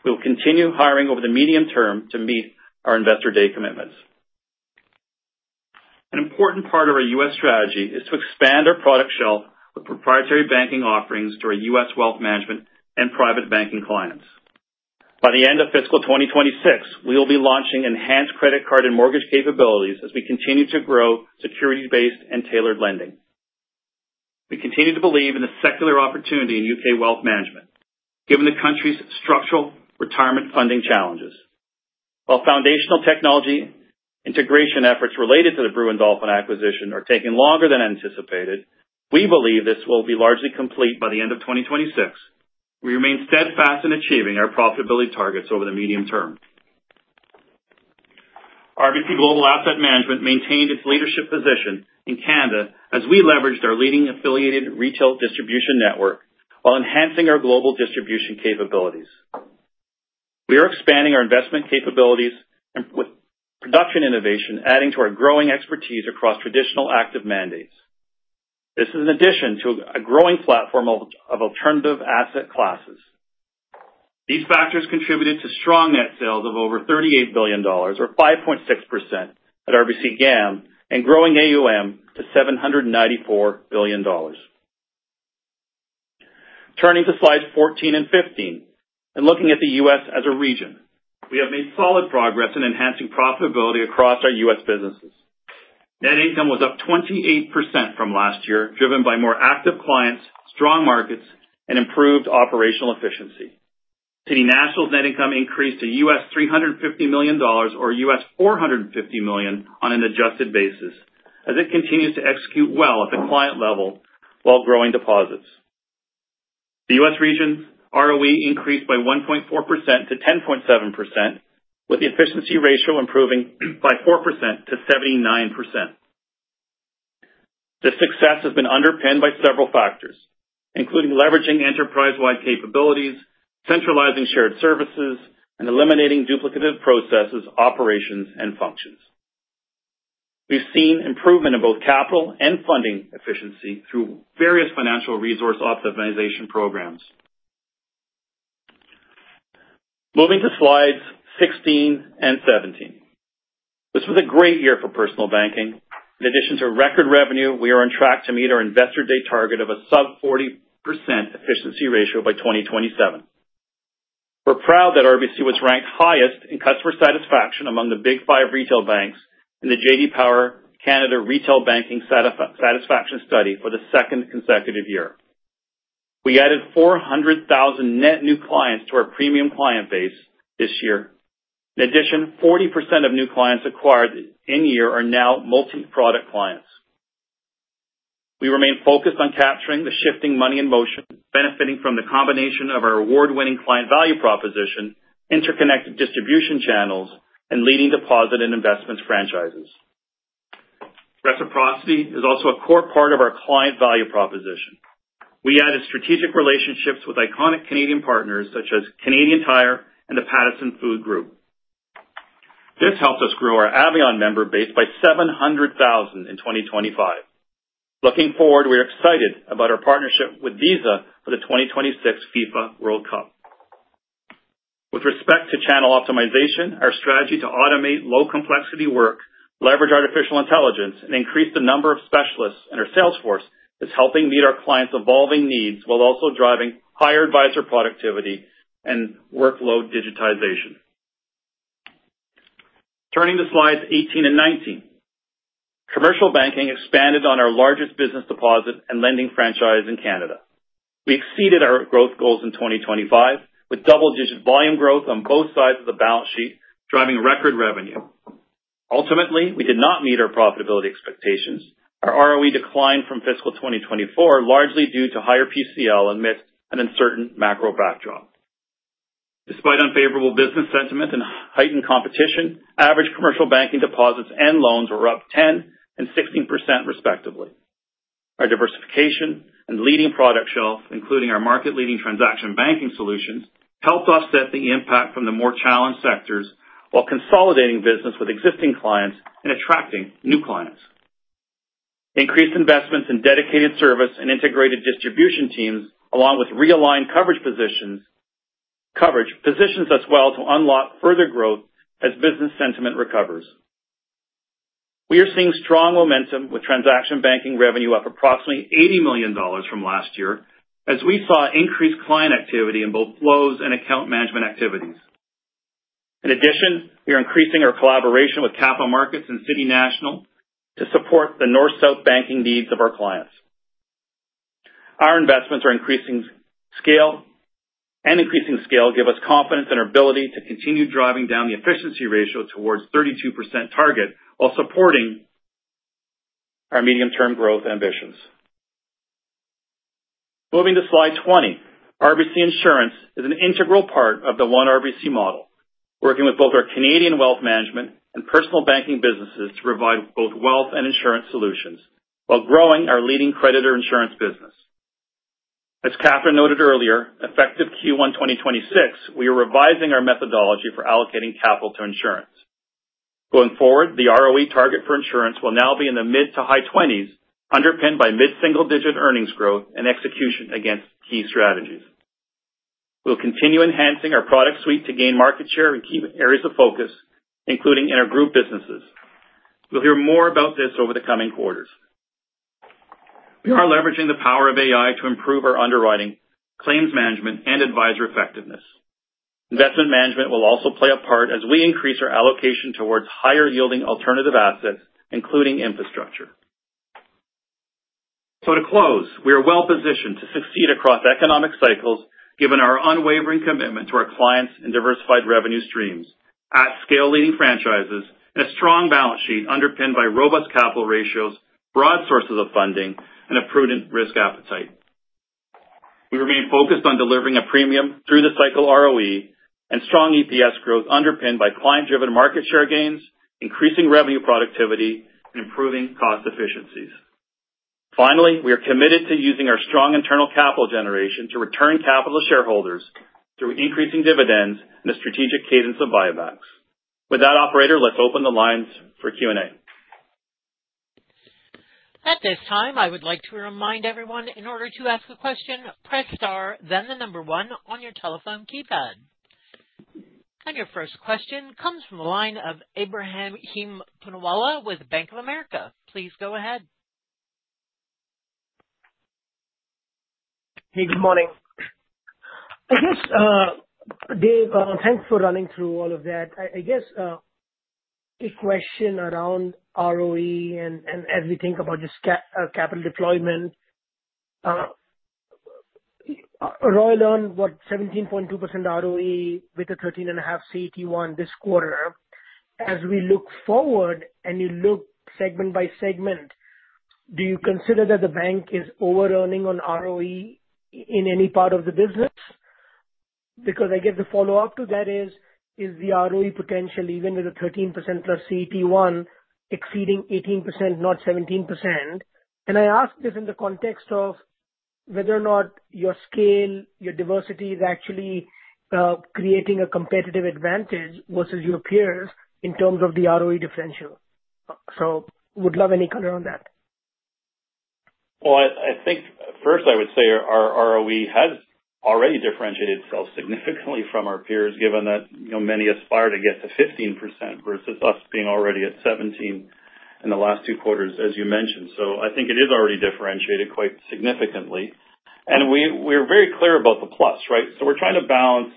We will continue hiring over the medium term to meet our investor day commitments. An important part of our U.S. strategy is to expand our product shelf with proprietary banking offerings to our U.S. wealth management and private banking clients. By the end of fiscal 2026, we will be launching enhanced credit card and mortgage capabilities as we continue to grow security-based and tailored lending. We continue to believe in the secular opportunity in U.K. wealth management, given the country's structural retirement funding challenges. While foundational technology integration efforts related to the Brewin Dolphin acquisition are taking longer than anticipated, we believe this will be largely complete by the end of 2026. We remain steadfast in achieving our profitability targets over the medium term. RBC Global Asset Management maintained its leadership position in Canada as we leveraged our leading affiliated retail distribution network while enhancing our global distribution capabilities. We are expanding our investment capabilities and with product innovation, adding to our growing expertise across traditional active mandates. This is in addition to a growing platform of alternative asset classes. These factors contributed to strong net sales of over 38 billion dollars, or 5.6%, at RBC GAM, and growing AUM to 794 billion dollars. Turning to slides 14 and 15 and looking at the U.S. as a region, we have made solid progress in enhancing profitability across our U.S. businesses. Net income was up 28% from last year, driven by more active clients, strong markets, and improved operational efficiency. City National's net income increased to $350 million, or $450 million, on an adjusted basis, as it continues to execute well at the client level while growing deposits. The U.S. region's ROE increased by 1.4%-10.7%, with the efficiency ratio improving by 4%-79%. This success has been underpinned by several factors, including leveraging enterprise-wide capabilities, centralizing shared services, and eliminating duplicative processes, operations, and functions. We've seen improvement in both capital and funding efficiency through various financial resource optimization programs. Moving to slides 16 and 17, this was a great year for personal banking. In addition to record revenue, we are on track to meet our investor day target of a sub-40% efficiency ratio by 2027. We're proud that RBC was ranked highest in customer satisfaction among the Big Five retail banks in the J.D. Power Canada Retail Banking Satisfaction Study for the second consecutive year. We added 400,000 net new clients to our premium client base this year. In addition, 40% of new clients acquired in year are now multi-product clients. We remain focused on capturing the shifting money in motion, benefiting from the combination of our award-winning client value proposition, interconnected distribution channels, and leading deposit and investment franchises. Reciprocity is also a core part of our client value proposition. We added strategic relationships with iconic Canadian partners such as Canadian Tire and the Pattison Food Group. This helped us grow our Avion member base by 700,000 in 2025. Looking forward, we're excited about our partnership with Visa for the 2026 FIFA World Cup. With respect to channel optimization, our strategy to automate low-complexity work, leverage artificial intelligence, and increase the number of specialists in our sales force is helping meet our clients' evolving needs while also driving higher advisor productivity and workload digitization. Turning to slides 18 and 19, Commercial Banking expanded on our largest business deposit and lending franchise in Canada. We exceeded our growth goals in 2025 with double-digit volume growth on both sides of the balance sheet, driving record revenue. Ultimately, we did not meet our profitability expectations. Our ROE declined from fiscal 2024, largely due to higher PCL amidst an uncertain macro backdrop. Despite unfavorable business sentiment and heightened competition, average commercial banking deposits and loans were up 10% and 16%, respectively. Our diversification and leading product shelf, including our market-leading transaction banking solutions, helped offset the impact from the more challenged sectors while consolidating business with existing clients and attracting new clients. Increased investments in dedicated service and integrated distribution teams, along with realigned coverage positions, positioned us well to unlock further growth as business sentiment recovers. We are seeing strong momentum with transaction banking revenue up approximately 80 million dollars from last year, as we saw increased client activity in both flows and account management activities. In addition, we are increasing our collaboration with Capital Markets and City National to support the North-South banking needs of our clients. Our investments are increasing scale, and increasing scale gives us confidence in our ability to continue driving down the efficiency ratio towards 32% target while supporting our medium-term growth ambitions. Moving to slide 20, RBC Insurance is an integral part of the One RBC model, working with both our Canadian wealth management and personal banking businesses to provide both wealth and insurance solutions while growing our leading creditor insurance business. As Katherine noted earlier, effective Q1 2026, we are revising our methodology for allocating capital to insurance. Going forward, the ROE target for insurance will now be in the mid to high 20s, underpinned by mid-single-digit earnings growth and execution against key strategies. We'll continue enhancing our product suite to gain market share in key areas of focus, including intergroup businesses. We'll hear more about this over the coming quarters. We are leveraging the power of AI to improve our underwriting, claims management, and advisor effectiveness. Investment management will also play a part as we increase our allocation towards higher-yielding alternative assets, including infrastructure. So to close, we are well-positioned to succeed across economic cycles, given our unwavering commitment to our clients and diversified revenue streams, at-scale leading franchises, and a strong balance sheet underpinned by robust capital ratios, broad sources of funding, and a prudent risk appetite. We remain focused on delivering a premium through the cycle ROE and strong EPS growth underpinned by client-driven market share gains, increasing revenue productivity, and improving cost efficiencies. Finally, we are committed to using our strong internal capital generation to return capital to shareholders through increasing dividends and a strategic cadence of buybacks. With that, operator, let's open the lines for Q&A. At this time, I would like to remind everyone, in order to ask a question, press star, then the number one on your telephone keypad. And your first question comes from the line of Ebrahim Poonawala with Bank of America. Please go ahead. Hey, good morning. I guess, Dave, thanks for running through all of that. I guess a question around ROE and as we think about just capital deployment. Royal earned what, 17.2% ROE with a 13.5 CET1 this quarter. As we look forward and you look segment by segment, do you consider that the bank is over-earning on ROE in any part of the business? Because I guess the follow-up to that is, is the ROE potential, even with a 13%+ CET1, exceeding 18%, not 17%? I ask this in the context of whether or not your scale, your diversity is actually creating a competitive advantage versus your peers in terms of the ROE differential. Would love any color on that. I think first I would say our ROE has already differentiated itself significantly from our peers, given that many aspire to get to 15% versus us being already at 17% in the last two quarters, as you mentioned. I think it is already differentiated quite significantly. We're very clear about the plus, right? We're trying to balance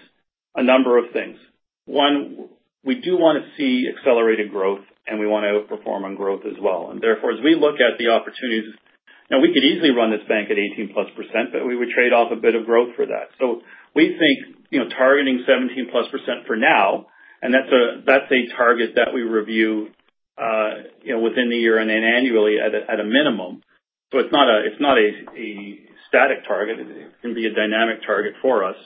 a number of things. One, we do want to see accelerated growth, and we want to outperform on growth as well. Therefore, as we look at the opportunities, now we could easily run this bank at 18%+, but we would trade off a bit of growth for that. We think targeting 17%+ for now, and that's a target that we review within the year and annually at a minimum. It's not a static target. It can be a dynamic target for us,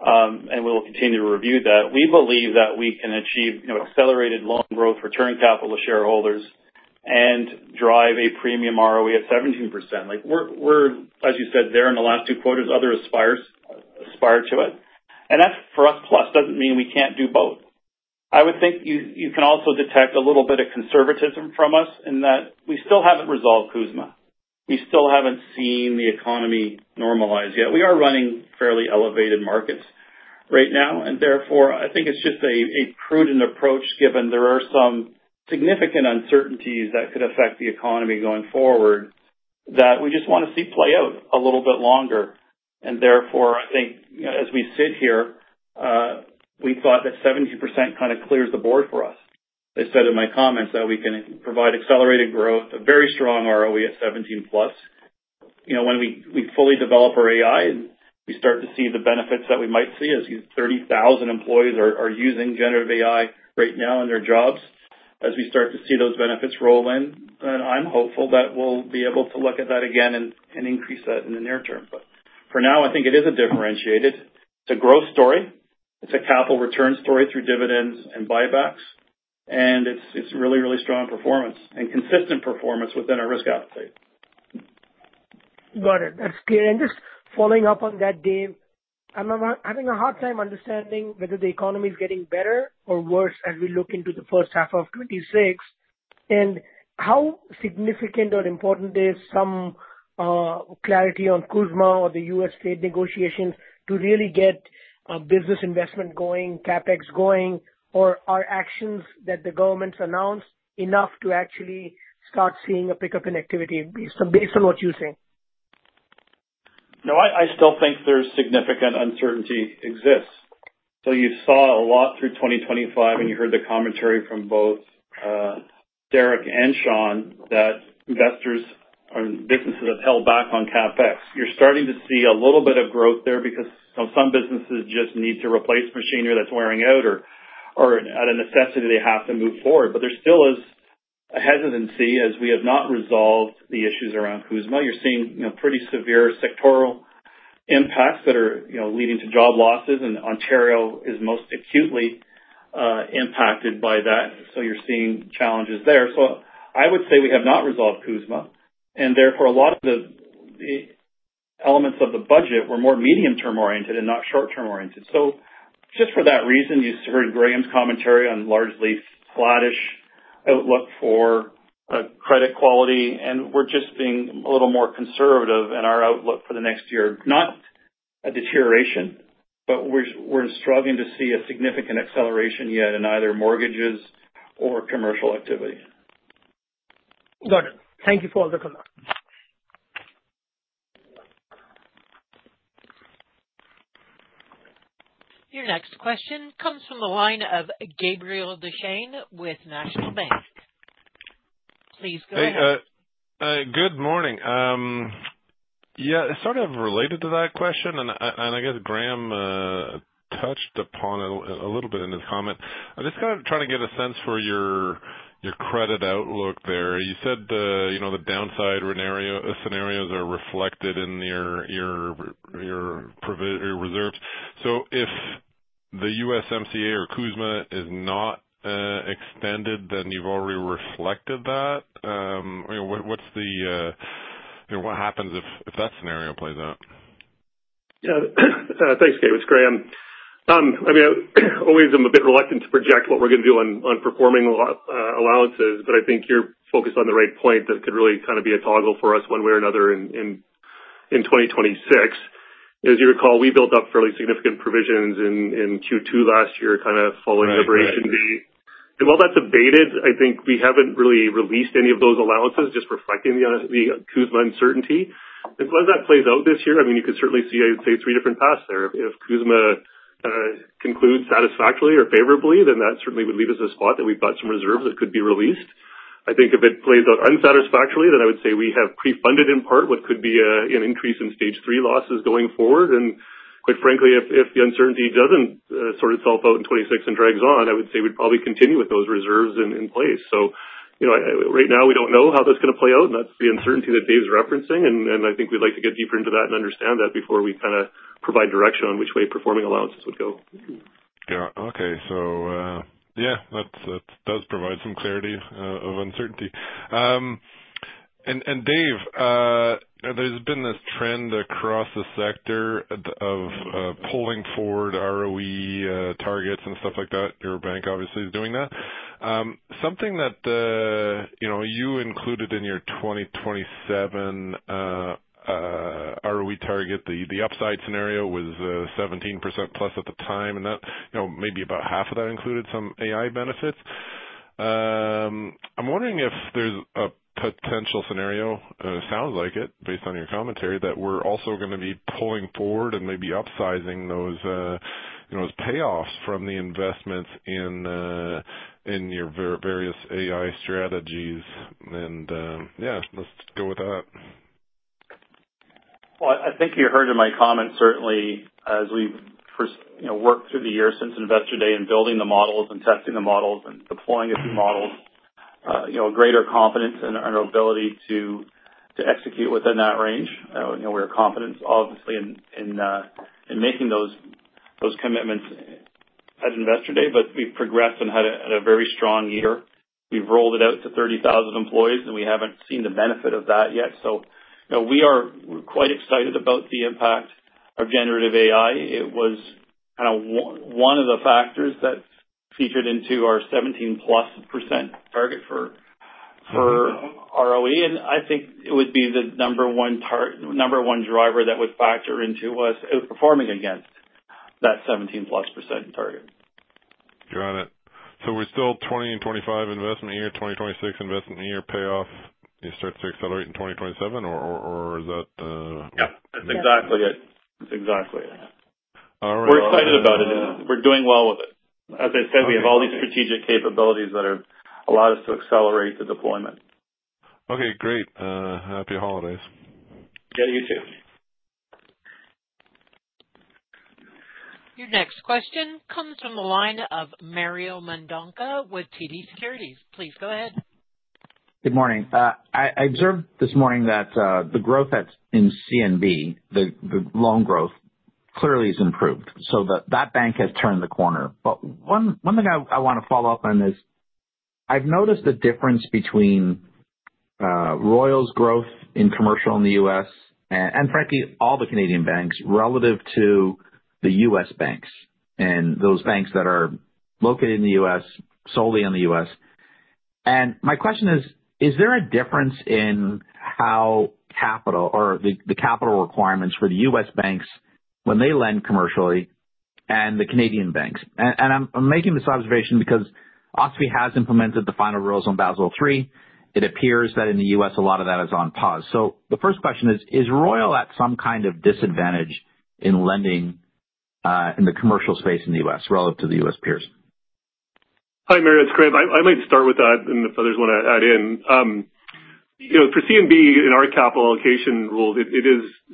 and we'll continue to review that. We believe that we can achieve accelerated loan growth, return capital to shareholders, and drive a premium ROE at 17%. As you said, there in the last two quarters, others aspire to it. And that's for us plus. It doesn't mean we can't do both. I would think you can also detect a little bit of conservatism from us in that we still haven't resolved CUSMA. We still haven't seen the economy normalize yet. We are running fairly elevated markets right now, and therefore, I think it's just a prudent approach, given there are some significant uncertainties that could affect the economy going forward, that we just want to see play out a little bit longer, and therefore, I think as we sit here, we thought that 17% kind of clears the board for us. I said in my comments that we can provide accelerated growth, a very strong ROE at 17+. When we fully develop our AI and we start to see the benefits that we might see, as 30,000 employees are using generative AI right now in their jobs, as we start to see those benefits roll in, then I'm hopeful that we'll be able to look at that again and increase that in the near term, but for now, I think it is a differentiated. It's a growth story. It's a capital return story through dividends and buybacks. And it's really, really strong performance and consistent performance within our risk appetite. Got it. That's clear. And just following up on that, Dave, I'm having a hard time understanding whether the economy is getting better or worse as we look into the first half of 2026, and how significant or important is some clarity on CUSMA or the U.S. trade negotiations to really get business investment going, CapEx going, or are actions that the government's announced enough to actually start seeing a pickup in activity based on what you're saying? No, I still think there's significant uncertainty exists. So you saw a lot through 2025, and you heard the commentary from both Derek and Sean that investors and businesses have held back on CapEx. You're starting to see a little bit of growth there because some businesses just need to replace machinery that's wearing out or out of necessity they have to move forward. But there still is a hesitancy as we have not resolved the issues around CUSMA. You're seeing pretty severe sectoral impacts that are leading to job losses, and Ontario is most acutely impacted by that. So you're seeing challenges there. So I would say we have not resolved CUSMA, and therefore a lot of the elements of the budget were more medium-term oriented and not short-term oriented. So just for that reason, you heard Graeme's commentary on largely flatish outlook for credit quality, and we're just being a little more conservative in our outlook for the next year. Not a deterioration, but we're struggling to see a significant acceleration yet in either mortgages or commercial activity. Got it. Thank you for all the comments. Your next question comes from the line of Gabriel Dechaine with National Bank Financial. Please go ahead. Hey, good morning. Yeah, it's sort of related to that question, and I guess Graeme touched upon it a little bit in his comment. I'm just kind of trying to get a sense for your credit outlook there. You said the downside scenarios are reflected in your reserves. So if the USMCA or CUSMA is not extended, then you've already reflected that. What happens if that scenario plays out? Yeah. Thanks, Gabriel. It's Graeme. I mean, always I'm a bit reluctant to project what we're going to do on performing allowances, but I think you're focused on the right point that could really kind of be a toggle for us one way or another in 2026. As you recall, we built up fairly significant provisions in Q2 last year kind of following Liberation v., and while that's abated, I think we haven't really released any of those allowances, just reflecting the CUSMA uncertainty. And as that plays out this year, I mean, you could certainly see, I'd say, three different paths there. If CUSMA concludes satisfactorily or favorably, then that certainly would leave us a spot that we've got some reserves that could be released. I think if it plays out unsatisfactorily, then I would say we have prefunded in part what could be an increase in stage three losses going forward. And quite frankly, if the uncertainty doesn't sort itself out in 2026 and drags on, I would say we'd probably continue with those reserves in place. So right now, we don't know how that's going to play out, and that's the uncertainty that Dave's referencing, and I think we'd like to get deeper into that and understand that before we kind of provide direction on which way performing allowances would go. Yeah. Okay. So yeah, that does provide some clarity of uncertainty. And Dave, there's been this trend across the sector of pulling forward ROE targets and stuff like that. Your bank obviously is doing that. Something that you included in your 2027 ROE target, the upside scenario was 17%+ at the time, and that maybe about half of that included some AI benefits. I'm wondering if there's a potential scenario, it sounds like it, based on your commentary, that we're also going to be pulling forward and maybe upsizing those payoffs from the investments in your various AI strategies. Yeah, let's go with that. I think you heard in my comment, certainly, as we've worked through the year since Investor Day and building the models and testing the models and deploying a few models, a greater confidence in our ability to execute within that range. We're confident, obviously, in making those commitments at Investor Day, but we've progressed and had a very strong year. We've rolled it out to 30,000 employees, and we haven't seen the benefit of that yet. We are quite excited about the impact of generative AI. It was kind of one of the factors that featured into our 17%+ target for ROE, and I think it would be the number one driver that would factor into us outperforming against that 17%+ target. Got it. So we're still in 2025 investment year, 2026 investment year payoff starts to accelerate in 2027, or is that? Yeah. That's exactly it. That's exactly it. All right. We're excited about it. We're doing well with it. As I said, we have all these strategic capabilities that have allowed us to accelerate the deployment. Okay. Great. Happy holidays. Yeah, you too. Your next question comes from the line of Mario Mendonca with TD Securities. Please go ahead. Good morning. I observed this morning that the growth in CNB, the loan growth, clearly has improved. So that bank has turned the corner. But one thing I want to follow up on is I've noticed a difference between Royal's growth in commercial in the U.S. and, frankly, all the Canadian banks relative to the US banks and those banks that are located in the U.S., solely in the U.S. My question is, is there a difference in how capital or the capital requirements for the US banks when they lend commercially and the Canadian banks? I'm making this observation because OSFI has implemented the final rules on Basel III. It appears that in the U.S., a lot of that is on pause. The first question is, is Royal at some kind of disadvantage in lending in the commercial space in the U.S. relative to the U.S. peers? Hi, Mario. That's great. I might start with that, and if others want to add in. For CNB, in our capital allocation rules, it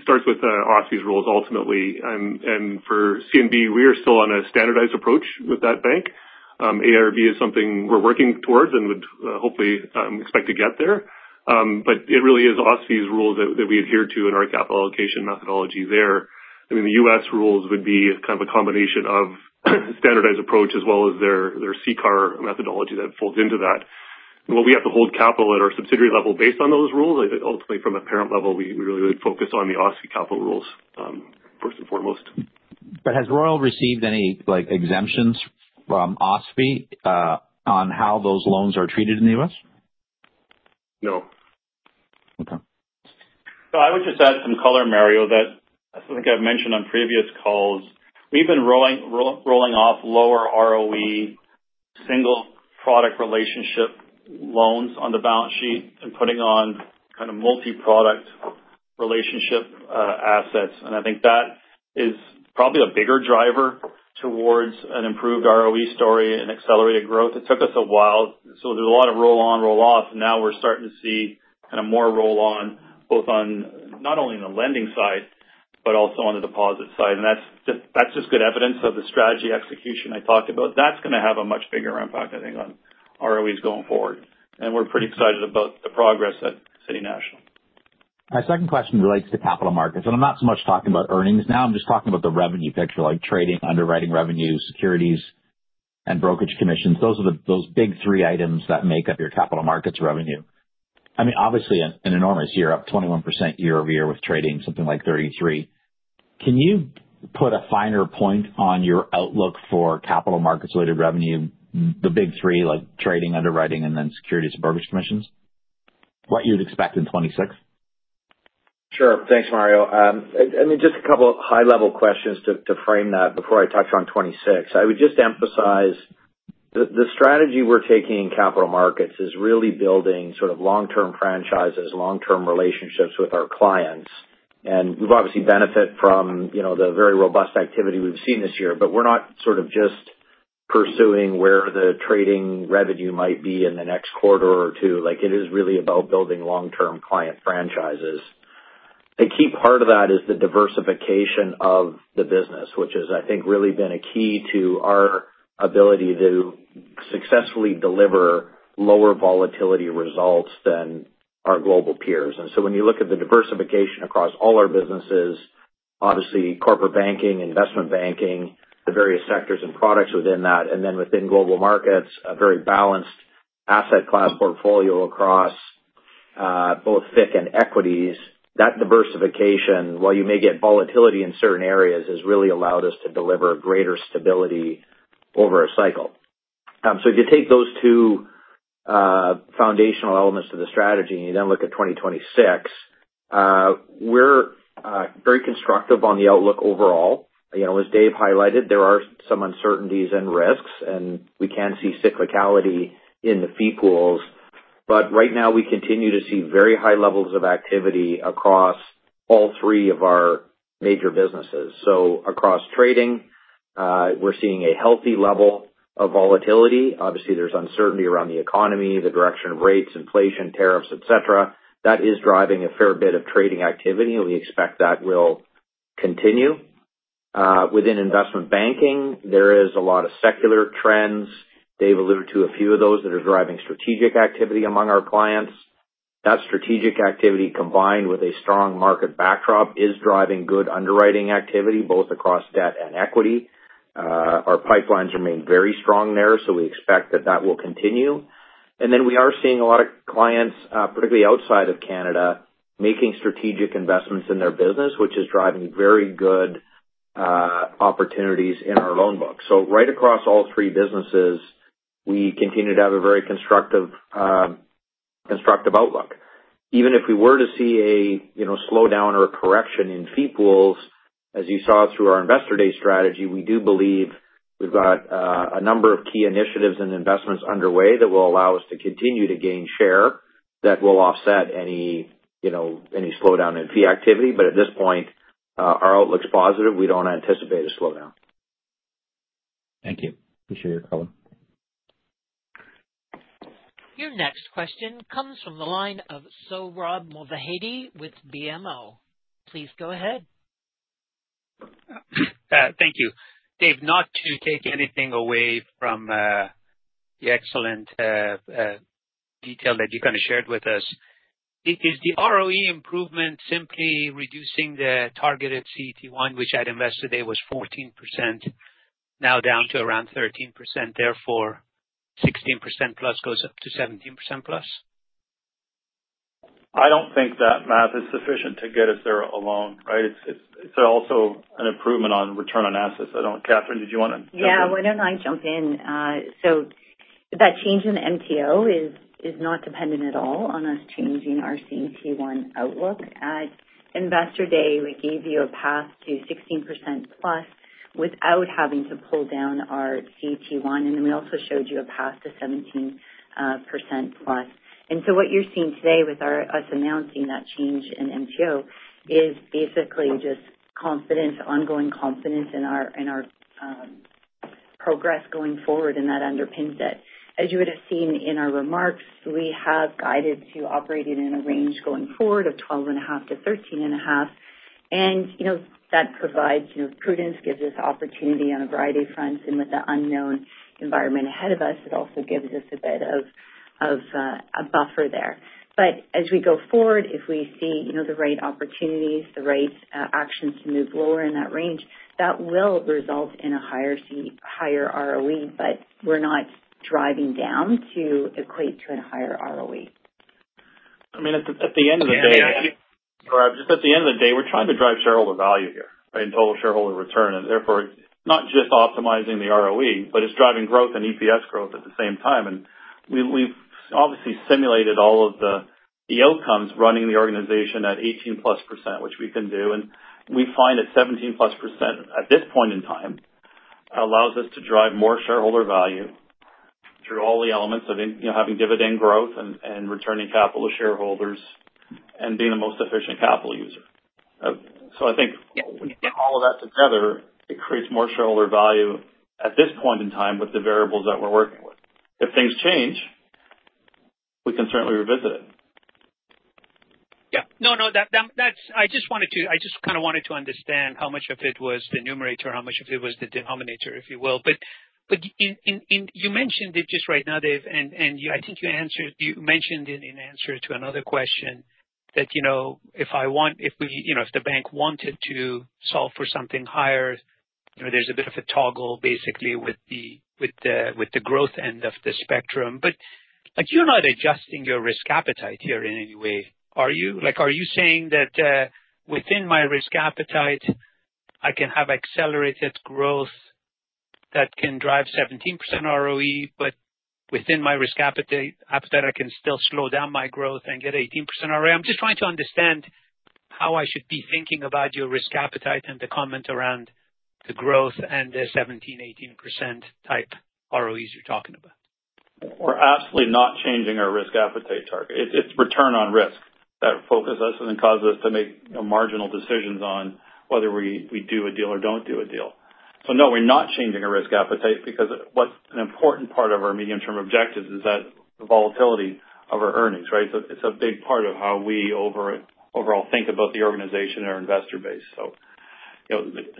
starts with OSFI's rules ultimately. For CNB, we are still on a standardized approach with that bank. IRB is something we're working towards and would hopefully expect to get there. But it really is OSFI's rules that we adhere to in our capital allocation methodology there. I mean, the U.S. rules would be kind of a combination of standardized approach as well as their CCAR methodology that folds into that. And while we have to hold capital at our subsidiary level based on those rules, ultimately, from a parent level, we really would focus on the OSFI capital rules first and foremost. But has Royal received any exemptions from OSFI on how those loans are treated in the U.S.? No. Okay. So I would just add some color, Mario, that I think I've mentioned on previous calls. We've been rolling off lower ROE single product relationship loans on the balance sheet and putting on kind of multi-product relationship assets. And I think that is probably a bigger driver towards an improved ROE story and accelerated growth. It took us a while, so there's a lot of roll on, roll off, and now we're starting to see kind of more roll on both on not only the lending side, but also on the deposit side, and that's just good evidence of the strategy execution I talked about. That's going to have a much bigger impact, I think, on ROEs going forward, and we're pretty excited about the progress at City National. My second question relates to capital markets. I'm not so much talking about earnings now. I'm just talking about the revenue picture, like trading, underwriting revenue, securities, and brokerage commissions. Those are the big three items that make up your capital markets revenue. I mean, obviously, an enormous year up, 21% year over year with trading, something like 33. Can you put a finer point on your outlook for capital markets-related revenue, the big three, like trading, underwriting, and then securities and brokerage commissions, what you'd expect in 2026? Sure. Thanks, Mario. I mean, just a couple of high-level questions to frame that before I touch on 2026. I would just emphasize the strategy we're taking in capital markets is really building sort of long-term franchises, long-term relationships with our clients, and we've obviously benefited from the very robust activity we've seen this year, but we're not sort of just pursuing where the trading revenue might be in the next quarter or two. It is really about building long-term client franchises. A key part of that is the diversification of the business, which has, I think, really been a key to our ability to successfully deliver lower volatility results than our global peers. And so when you look at the diversification across all our businesses, obviously, corporate banking, investment banking, the various sectors and products within that, and then within global markets, a very balanced asset class portfolio across both FICC and equities, that diversification, while you may get volatility in certain areas, has really allowed us to deliver greater stability over a cycle. So if you take those two foundational elements to the strategy and you then look at 2026, we're very constructive on the outlook overall. As Dave highlighted, there are some uncertainties and risks, and we can see cyclicality in the fee pools. But right now, we continue to see very high levels of activity across all three of our major businesses. So across trading, we're seeing a healthy level of volatility. Obviously, there's uncertainty around the economy, the direction of rates, inflation, tariffs, etc. That is driving a fair bit of trading activity, and we expect that will continue. Within investment banking, there is a lot of secular trends. Dave alluded to a few of those that are driving strategic activity among our clients. That strategic activity combined with a strong market backdrop is driving good underwriting activity both across debt and equity. Our pipelines remain very strong there, so we expect that that will continue. And then we are seeing a lot of clients, particularly outside of Canada, making strategic investments in their business, which is driving very good opportunities in our loan book. So right across all three businesses, we continue to have a very constructive outlook. Even if we were to see a slowdown or a correction in fee pools, as you saw through our Investor Day strategy, we do believe we've got a number of key initiatives and investments underway that will allow us to continue to gain share that will offset any slowdown in fee activity. But at this point, our outlook's positive. We don't anticipate a slowdown. Thank you. Appreciate your comment. Your next question comes from the line of Sohrab Movahedi with BMO. Please go ahead. Thank you. Dave, not to take anything away from the excellent detail that you kind of shared with us, is the ROE improvement simply reducing the targeted CET1, which at Investor Day was 14%, now down to around 13%? Therefore, 16%+ goes up to 17%+? I don't think that math is sufficient to get us there alone, right? It's also an improvement on return on assets. I don't know. Katherine, did you want to jump in? Yeah. Why don't I jump in? So that change in MTO is not dependent at all on us changing our CET1 outlook. At Investor Day, we gave you a path to 16%+ without having to pull down our CET1. And then we also showed you a path to 17%+. And so what you're seeing today with us announcing that change in MTO is basically just ongoing confidence in our progress going forward, and that underpins it. As you would have seen in our remarks, we have guided to operating in a range going forward of 12.5%-13.5%. And that provides prudence, gives us opportunity on a variety of fronts. And with the unknown environment ahead of us, it also gives us a bit of a buffer there. But as we go forward, if we see the right opportunities, the right actions to move lower in that range, that will result in a higher ROE, but we're not driving down to equate to a higher ROE. I mean, at the end of the day, Sohrab, just at the end of the day, we're trying to drive shareholder value here and total shareholder return. And therefore, it's not just optimizing the ROE, but it's driving growth and EPS growth at the same time. And we've obviously simulated all of the outcomes running the organization at 18%+, which we can do. We find at 17%+ at this point in time allows us to drive more shareholder value through all the elements of having dividend growth and returning capital to shareholders and being the most efficient capital user. So I think all of that together, it creates more shareholder value at this point in time with the variables that we're working with. If things change, we can certainly revisit it. Yeah. No, no. I just wanted to I just kind of wanted to understand how much of it was the numerator, how much of it was the denominator, if you will. But you mentioned it just right now, Dave, and I think you mentioned it in answer to another question that if I want, if the bank wanted to solve for something higher, there's a bit of a toggle, basically, with the growth end of the spectrum. But you're not adjusting your risk appetite here in any way, are you? Are you saying that within my risk appetite, I can have accelerated growth that can drive 17% ROE, but within my risk appetite, I can still slow down my growth and get 18% ROE? I'm just trying to understand how I should be thinking about your risk appetite and the comment around the growth and the 17%-18% type ROEs you're talking about. We're absolutely not changing our risk appetite target. It's return on risk that focuses us and causes us to make marginal decisions on whether we do a deal or don't do a deal. So no, we're not changing our risk appetite because what's an important part of our medium-term objectives is that volatility of our earnings, right? So it's a big part of how we overall think about the organization and our investor base. So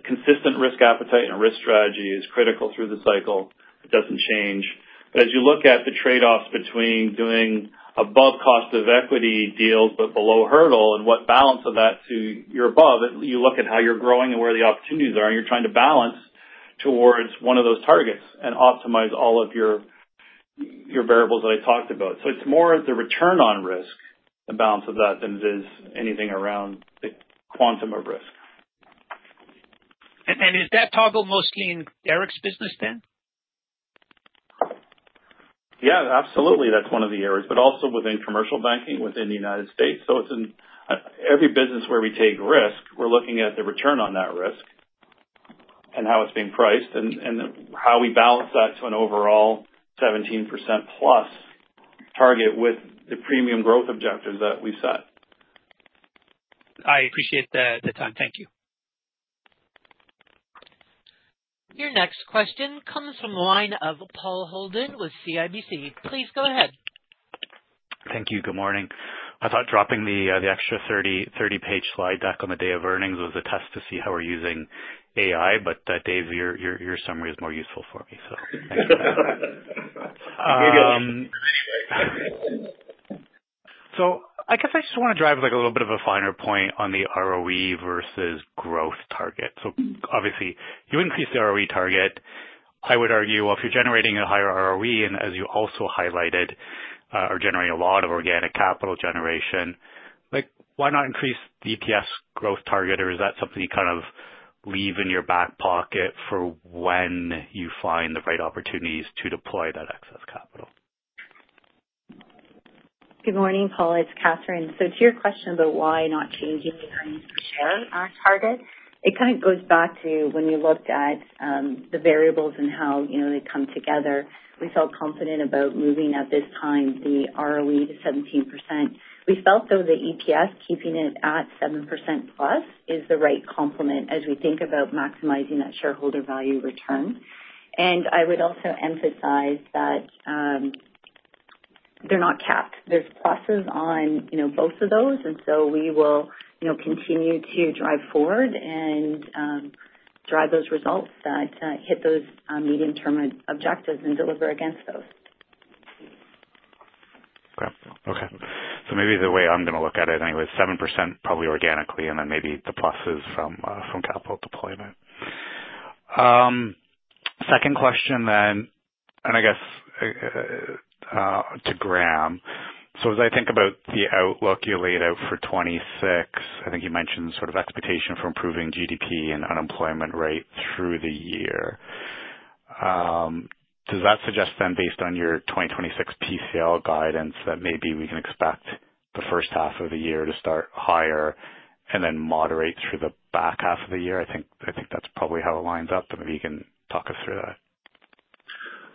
consistent risk appetite and a risk strategy is critical through the cycle. It doesn't change. But as you look at the trade-offs between doing above cost of equity deals but below hurdle and what balance of that to your above, you look at how you're growing and where the opportunities are, and you're trying to balance towards one of those targets and optimize all of your variables that I talked about. So it's more the return on risk, the balance of that, than it is anything around the quantum of risk. And is that toggle mostly in Derek's business then? Yeah, absolutely. That's one of the areas, but also within commercial banking within the United States. So every business where we take risk, we're looking at the return on that risk and how it's being priced and how we balance that to an overall 17%+ target with the premium growth objectives that we set. I appreciate the time. Thank you. Your next question comes from the line of Paul Holden with CIBC. Please go ahead. Thank you. Good morning. I thought dropping the extra 30-page slide back on the day of earnings was a test to see how we're using AI, but Dave, your summary is more useful for me, so thank you. So I guess I just want to drive a little bit of a finer point on the ROE versus growth target. So obviously, you increase the ROE target. I would argue, well, if you're generating a higher ROE, and as you also highlighted, are generating a lot of organic capital generation, why not increase the EPS growth target, or is that something you kind of leave in your back pocket for when you find the right opportunities to deploy that excess capital? Good morning, Paul. It's Katherine. So to your question about why not changing the earnings per share target, it kind of goes back to when you looked at the variables and how they come together. We felt confident about moving at this time the ROE to 17%. We felt, though, the EPS keeping it at 7%+ is the right complement as we think about maximizing that shareholder value return. I would also emphasize that they're not capped. There's pluses on both of those, and so we will continue to drive forward and drive those results that hit those medium-term objectives and deliver against those. Okay, so maybe the way I'm going to look at it anyway is 7% probably organically, and then maybe the pluses from capital deployment. Second question then, and I guess to Graeme. So as I think about the outlook you laid out for 2026, I think you mentioned sort of expectation for improving GDP and unemployment rate through the year. Does that suggest then, based on your 2026 PCL guidance, that maybe we can expect the first half of the year to start higher and then moderate through the back half of the year? I think that's probably how it lines up. Maybe you can talk us through that.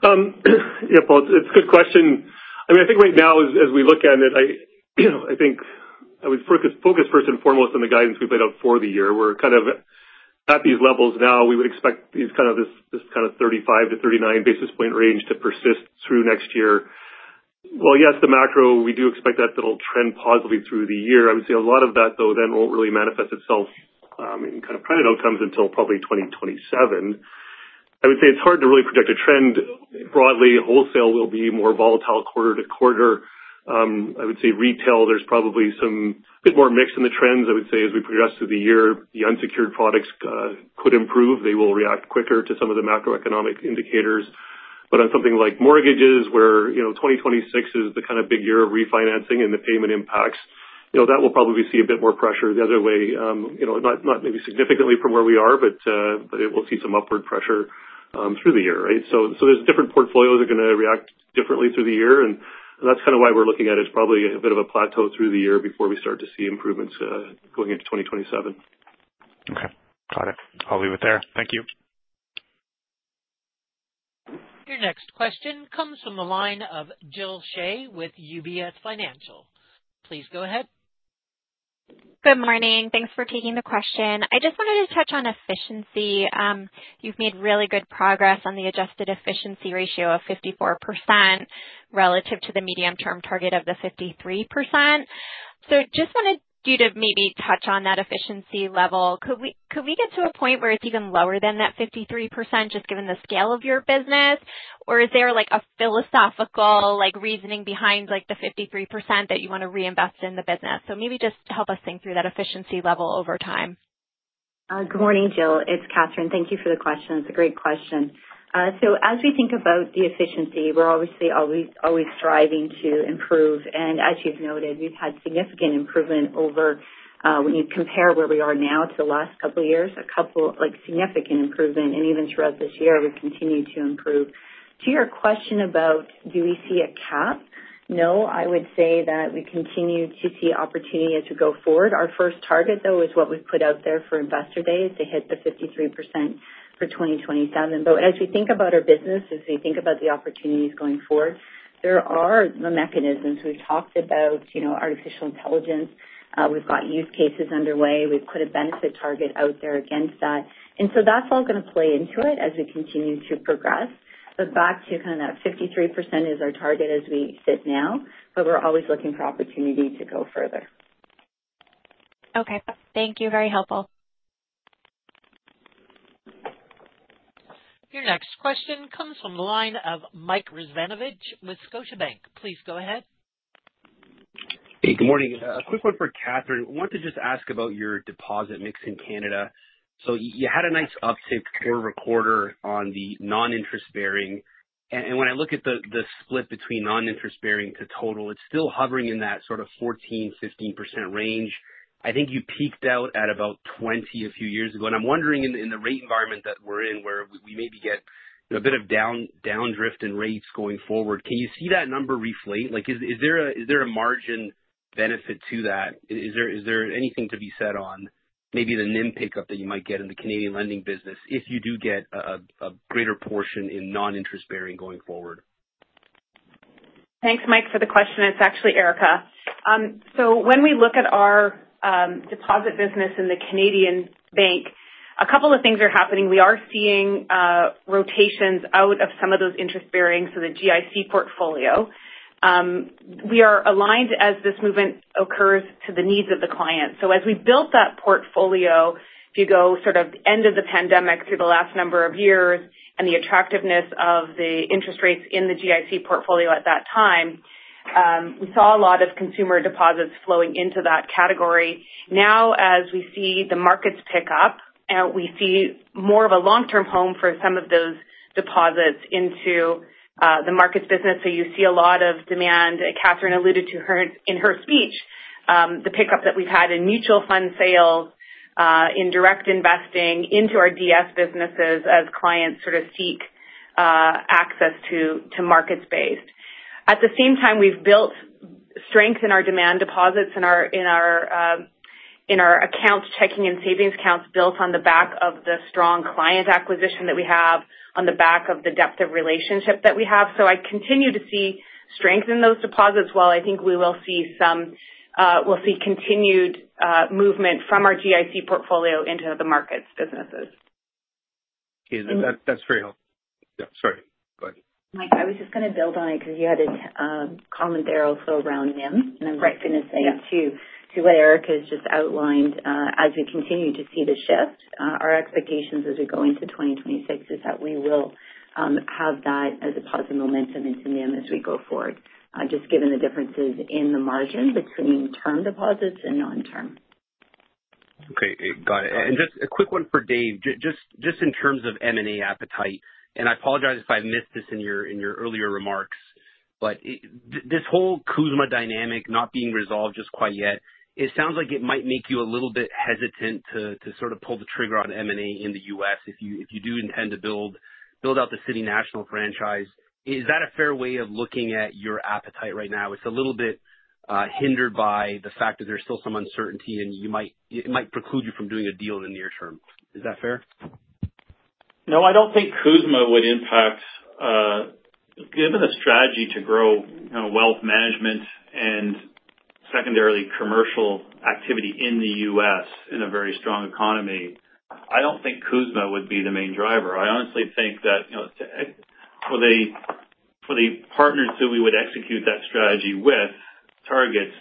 Yeah, Paul, it's a good question. I mean, I think right now, as we look at it, I think I would focus first and foremost on the guidance we've laid out for the year. We're kind of at these levels now. We would expect kind of this kind of 35-39 basis points range to persist through next year. Yes, the macro, we do expect that it'll trend positively through the year. I would say a lot of that, though, then won't really manifest itself in kind of credit outcomes until probably 2027. I would say it's hard to really predict a trend broadly. Wholesale will be more volatile quarter to quarter. I would say retail, there's probably some bit more mix in the trends. I would say as we progress through the year, the unsecured products could improve. They will react quicker to some of the macroeconomic indicators. But on something like mortgages, where 2026 is the kind of big year of refinancing and the payment impacts, that will probably see a bit more pressure the other way. Not maybe significantly from where we are, but it will see some upward pressure through the year, right? So there's different portfolios that are going to react differently through the year. And that's kind of why we're looking at it as probably a bit of a plateau through the year before we start to see improvements going into 2027. Okay. Got it. I'll leave it there. Thank you. Your next question comes from the line of Jill Shea with UBS Financial. Please go ahead. Good morning. Thanks for taking the question. I just wanted to touch on efficiency. You've made really good progress on the adjusted efficiency ratio of 54% relative to the medium-term target of the 53%. So just wanted you to maybe touch on that efficiency level. Could we get to a point where it's even lower than that 53%, just given the scale of your business? Or is there a philosophical reasoning behind the 53% that you want to reinvest in the business? So maybe just help us think through that efficiency level over time. Good morning, Jill. It's Katherine. Thank you for the question. It's a great question. So as we think about the efficiency, we're obviously always striving to improve. And as you've noted, we've had significant improvement over when you compare where we are now to the last couple of years, a couple of significant improvement. And even throughout this year, we've continued to improve. To your question about do we see a cap, no, I would say that we continue to see opportunity as we go forward. Our first target, though, is what we put out there for Investor Day: to hit the 53% for 2027. But as we think about our business, as we think about the opportunities going forward, there are the mechanisms. We've talked about artificial intelligence. We've got use cases underway. We've put a benefit target out there against that. And so that's all going to play into it as we continue to progress. But back to kind of that 53% is our target as we sit now, but we're always looking for opportunity to go further. Okay. Thank you. Very helpful. Your next question comes from the line of Mike Rizvanovic with Scotiabank. Please go ahead. Hey, good morning. A quick one for Katherine. I want to just ask about your deposit mix in Canada. So you had a nice uptick quarter over quarter on the non-interest bearing. When I look at the split between non-interest bearing to total, it's still hovering in that sort of 14%-15% range. I think you peaked out at about 20% a few years ago. I'm wondering in the rate environment that we're in, where we maybe get a bit of downdrift in rates going forward, can you see that number reflate? Is there a margin benefit to that? Is there anything to be said on maybe the NIM pickup that you might get in the Canadian lending business if you do get a greater portion in non-interest bearing going forward? Thanks, Mike, for the question. It's actually Erica. So when we look at our deposit business in the Canadian bank, a couple of things are happening. We are seeing rotations out of some of those interest-bearing to the GIC portfolio. We are aligned as this movement occurs to the needs of the client. So as we built that portfolio, if you go sort of end of the pandemic through the last number of years and the attractiveness of the interest rates in the GIC portfolio at that time, we saw a lot of consumer deposits flowing into that category. Now, as we see the markets pick up, we see more of a long-term home for some of those deposits into the markets business. So you see a lot of demand. Katherine alluded to in her speech the pickup that we've had in mutual fund sales, in direct investing into our RBC Direct Investing businesses as clients sort of seek access to markets-based. At the same time, we've built strength in our demand deposits and our accounts checking and savings accounts built on the back of the strong client acquisition that we have, on the back of the depth of relationship that we have. So I continue to see strength in those deposits, while I think we will see some continued movement from our GIC portfolio into the markets businesses. That's very helpful. Yeah. Sorry. Go ahead. Mike, I was just going to build on it because you had a comment there also around NIM. And I'm just going to say to what Erica has just outlined, as we continue to see the shift, our expectations as we go into 2026 is that we will have that as a positive momentum into NIM as we go forward, just given the differences in the margin between term deposits and non-term. Okay. Got it. And just a quick one for Dave, just in terms of M&A appetite. And I apologize if I missed this in your earlier remarks, but this whole CUSMA dynamic not being resolved just quite yet, it sounds like it might make you a little bit hesitant to sort of pull the trigger on M&A in the U.S. if you do intend to build out the City National franchise. Is that a fair way of looking at your appetite right now? It's a little bit hindered by the fact that there's still some uncertainty, and it might preclude you from doing a deal in the near term. Is that fair? No, I don't think CUSMA would impact, given a strategy to grow wealth management and secondarily commercial activity in the U.S. in a very strong economy. I don't think CUSMA would be the main driver. I honestly think that for the partners that we would execute that strategy with, targets,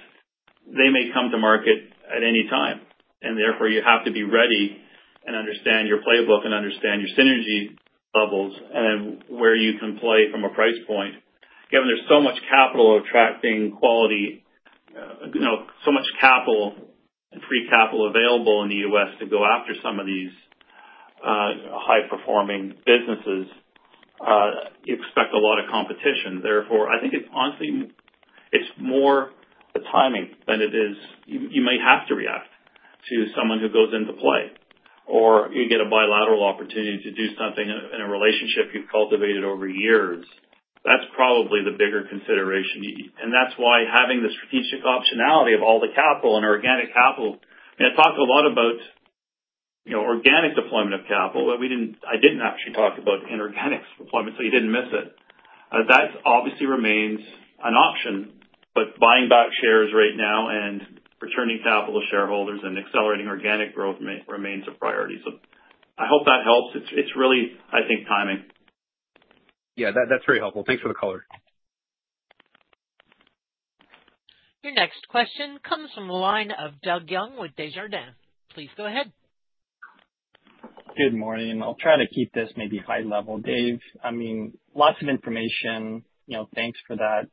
they may come to market at any time, and therefore, you have to be ready and understand your playbook and understand your synergy levels and where you can play from a price point. Given there's so much capital attracting quality, so much capital and free capital available in the U.S. to go after some of these high-performing businesses, you expect a lot of competition. Therefore, I think honestly, it's more the timing than it is you may have to react to someone who goes into play, or you get a bilateral opportunity to do something in a relationship you've cultivated over years. That's probably the bigger consideration. And that's why having the strategic optionality of all the capital and organic capital, I mean, I talked a lot about organic deployment of capital, but I didn't actually talk about inorganic deployment, so you didn't miss it. That obviously remains an option, but buying back shares right now and returning capital to shareholders and accelerating organic growth remains a priority. So I hope that helps. It's really, I think, timing. Yeah, that's very helpful. Thanks for the color. Your next question comes from the line of Doug Young with Desjardins. Please go ahead. Good morning. I'll try to keep this maybe high level. Dave, I mean, lots of information. Thanks for that.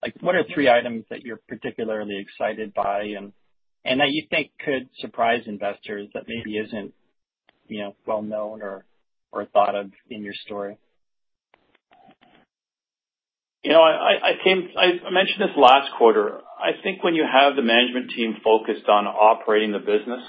Maybe if I can ask you to distill the message down to what are three items that you're particularly excited by and that you think could surprise investors that maybe isn't well-known or thought of in your story? I mentioned this last quarter. I think when you have the management team focused on operating the business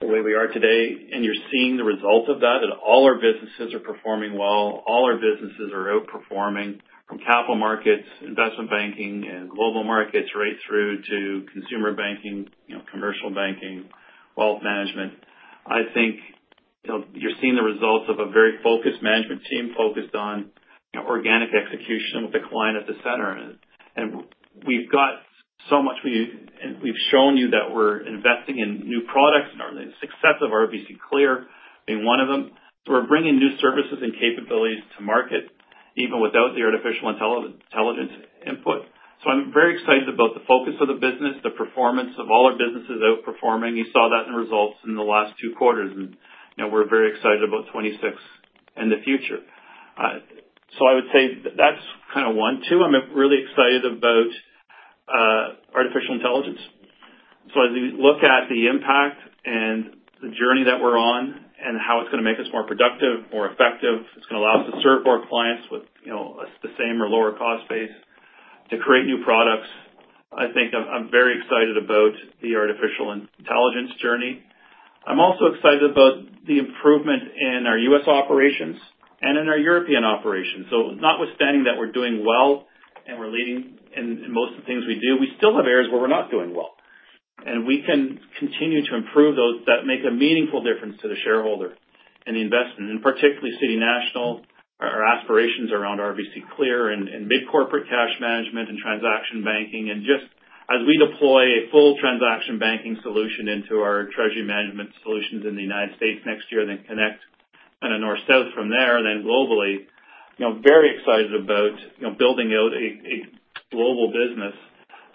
the way we are today, and you're seeing the result of that, and all our businesses are performing well, all our businesses are outperforming from capital markets, investment banking, and global markets right through to consumer banking, commercial banking, wealth management, I think you're seeing the results of a very focused management team focused on organic execution with the client at the center, and we've got so much. We've shown you that we're investing in new products, and the success of RBC Clear being one of them. We're bringing new services and capabilities to market even without the artificial intelligence input. So I'm very excited about the focus of the business, the performance of all our businesses outperforming. You saw that in results in the last two quarters, and we're very excited about 2026 and the future. So I would say that's kind of one. Two, I'm really excited about artificial intelligence, so as we look at the impact and the journey that we're on and how it's going to make us more productive, more effective, it's going to allow us to serve more clients with the same or lower cost base to create new products. I think I'm very excited about the artificial intelligence journey. I'm also excited about the improvement in our U.S. operations and in our European operations. Notwithstanding that we're doing well and we're leading in most of the things we do, we still have areas where we're not doing well. We can continue to improve those that make a meaningful difference to the shareholder and the investment, and particularly City National, our aspirations around RBC Clear and mid-corporate cash management and transaction banking. Just as we deploy a full transaction banking solution into our treasury management solutions in the United States next year, then connect kind of north-south from there, then globally, very excited about building out a global business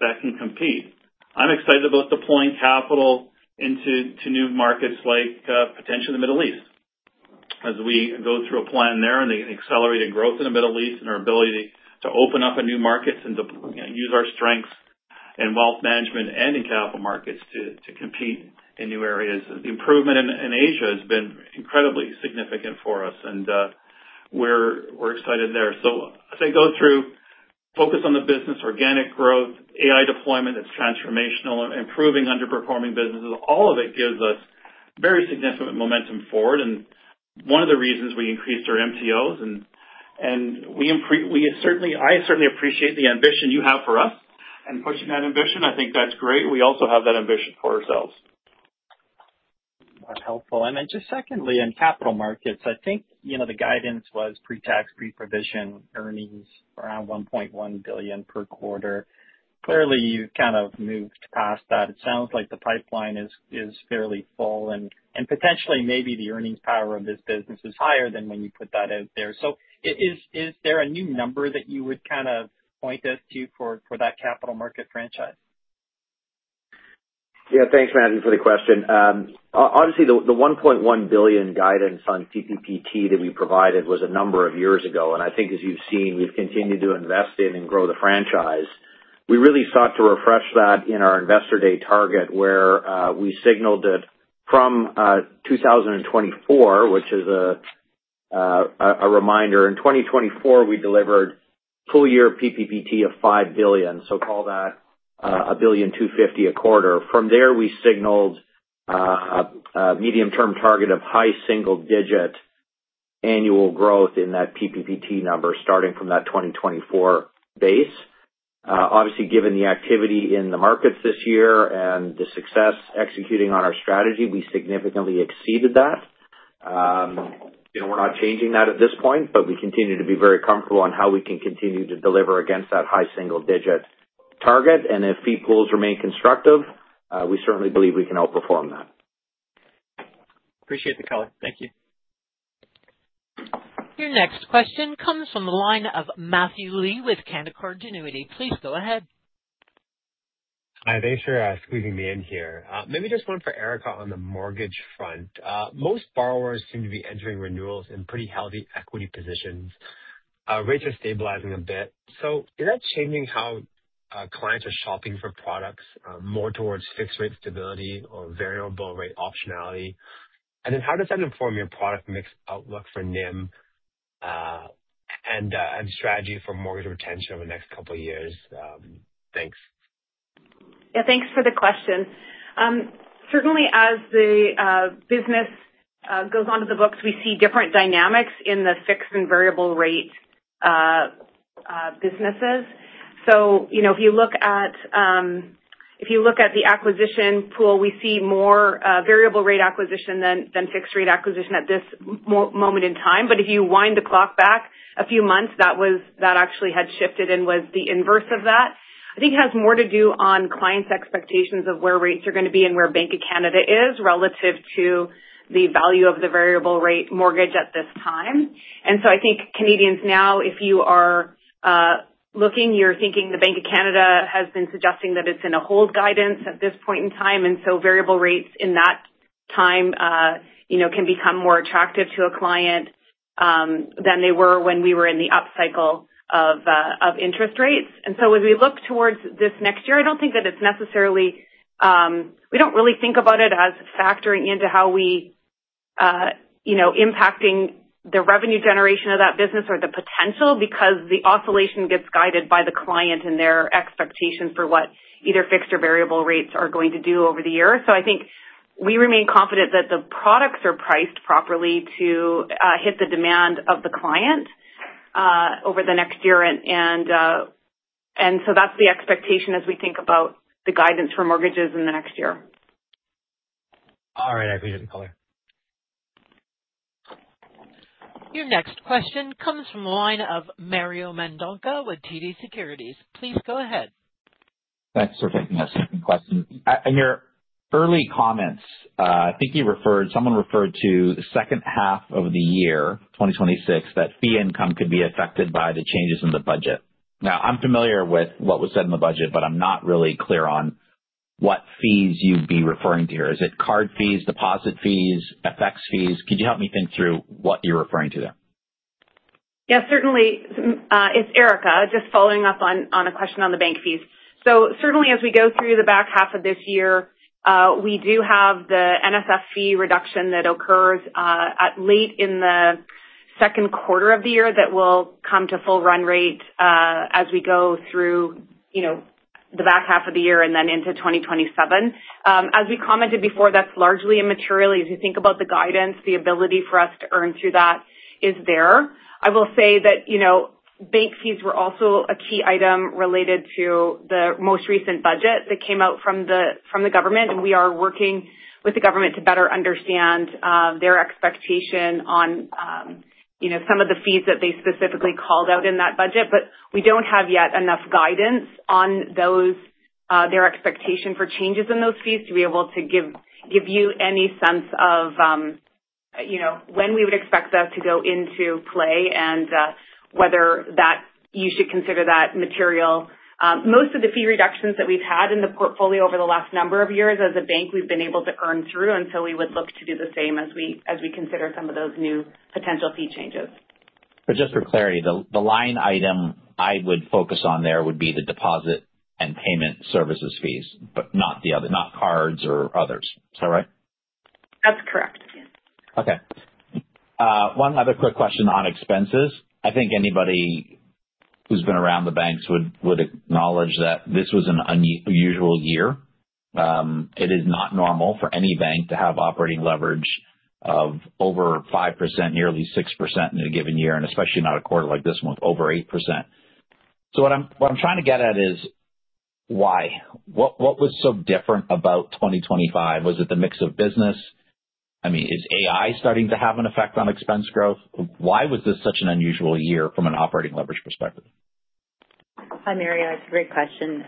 that can compete. I'm excited about deploying capital into new markets like potentially the Middle East as we go through a plan there and the accelerated growth in the Middle East and our ability to open up new markets and use our strengths in wealth management and in capital markets to compete in new areas. The improvement in Asia has been incredibly significant for us, and we're excited there. As I go through, focus on the business, organic growth, AI deployment that's transformational, improving underperforming businesses, all of it gives us very significant momentum forward. One of the reasons we increased our MTOs, and I certainly appreciate the ambition you have for us. Pushing that ambition, I think that's great. We also have that ambition for ourselves. That's helpful. Then just secondly, in capital markets, I think the guidance was pre-tax, pre-provision, earnings around 1.1 billion per quarter. Clearly, you've kind of moved past that. It sounds like the pipeline is fairly full, and potentially maybe the earnings power of this business is higher than when you put that out there. So is there a new number that you would kind of point us to for that capital market franchise? Yeah. Thanks, Madden, for the question. Obviously, the 1.1 billion guidance on PPPT that we provided was a number of years ago. And I think as you've seen, we've continued to invest in and grow the franchise. We really sought to refresh that in our investor day target where we signaled that from 2024, which is a reminder, in 2024, we delivered full year PPPT of 5 billion. So call that 1.25 billion a quarter. From there, we signaled a medium-term target of high single-digit annual growth in that PPPT number starting from that 2024 base. Obviously, given the activity in the markets this year and the success executing on our strategy, we significantly exceeded that. We're not changing that at this point, but we continue to be very comfortable on how we can continue to deliver against that high single-digit target. And if feed pools remain constructive, we certainly believe we can outperform that. Appreciate the color. Thank you. Your next question comes from the line of Matthew Lee with Canaccord Genuity. Please go ahead. Hi, Dave. Sure. Squeezing me in here. Maybe just one for Erica on the mortgage front. Most borrowers seem to be entering renewals in pretty healthy equity positions. Rates are stabilizing a bit. So is that changing how clients are shopping for products, more towards fixed-rate stability or variable-rate optionality? Then how does that inform your product mix outlook for NIM and strategy for mortgage retention over the next couple of years? Thanks. Yeah. Thanks for the question. Certainly, as the business goes onto the books, we see different dynamics in the fixed and variable-rate businesses. So if you look at the acquisition pool, we see more variable-rate acquisition than fixed-rate acquisition at this moment in time. If you wind the clock back a few months, that actually had shifted and was the inverse of that. I think it has more to do on clients' expectations of where rates are going to be and where Bank of Canada is relative to the value of the variable-rate mortgage at this time. And so I think Canadians now, if you are looking, you're thinking the Bank of Canada has been suggesting that it's in a hold guidance at this point in time. And so variable rates in that time can become more attractive to a client than they were when we were in the upcycle of interest rates. And so as we look towards this next year, I don't think that it's necessarily we don't really think about it as factoring into how we impacting the revenue generation of that business or the potential because the oscillation gets guided by the client and their expectations for what either fixed or variable rates are going to do over the year. So I think we remain confident that the products are priced properly to hit the demand of the client over the next year. And so that's the expectation as we think about the guidance for mortgages in the next year. All right. I appreciate the color. Your next question comes from the line of Mario Mendonca with TD Securities. Please go ahead. Thanks for taking that second question. In your early comments, I think someone referred to the second half of the year, 2026, that fee income could be affected by the changes in the budget. Now, I'm familiar with what was said in the budget, but I'm not really clear on what fees you'd be referring to here. Is it card fees, deposit fees, FX fees? Could you help me think through what you're referring to there? Yeah. Certainly, it's Erica just following up on a question on the bank fees. So certainly, as we go through the back half of this year, we do have the NSF fee reduction that occurs late in the second quarter of the year that will come to full run rate as we go through the back half of the year and then into 2027. As we commented before, that's largely immaterial. As you think about the guidance, the ability for us to earn through that is there. I will say that bank fees were also a key item related to the most recent budget that came out from the government. And we are working with the government to better understand their expectation on some of the fees that they specifically called out in that budget. But we don't have yet enough guidance on their expectation for changes in those fees to be able to give you any sense of when we would expect that to go into play and whether you should consider that material. Most of the fee reductions that we've had in the portfolio over the last number of years as a bank, we've been able to earn through. And so we would look to do the same as we consider some of those new potential fee changes. But just for clarity, the line item I would focus on there would be the deposit and payment services fees, but not cards or others. Is that right? That's correct. Yes. Okay. One other quick question on expenses. I think anybody who's been around the banks would acknowledge that this was an unusual year. It is not normal for any bank to have operating leverage of over 5%, nearly 6% in a given year, and especially not a quarter like this one with over 8%. So what I'm trying to get at is why. What was so different about 2025? Was it the mix of business? I mean, is AI starting to have an effect on expense growth? Why was this such an unusual year from an operating leverage perspective? Hi, Mario. That's a great question.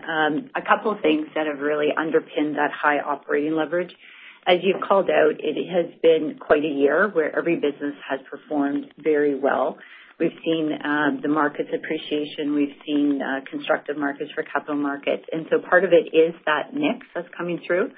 A couple of things that have really underpinned that high operating leverage. As you've called out, it has been quite a year where every business has performed very well. We've seen the market's appreciation. We've seen constructive markets for capital markets. And so part of it is that mix that's coming through.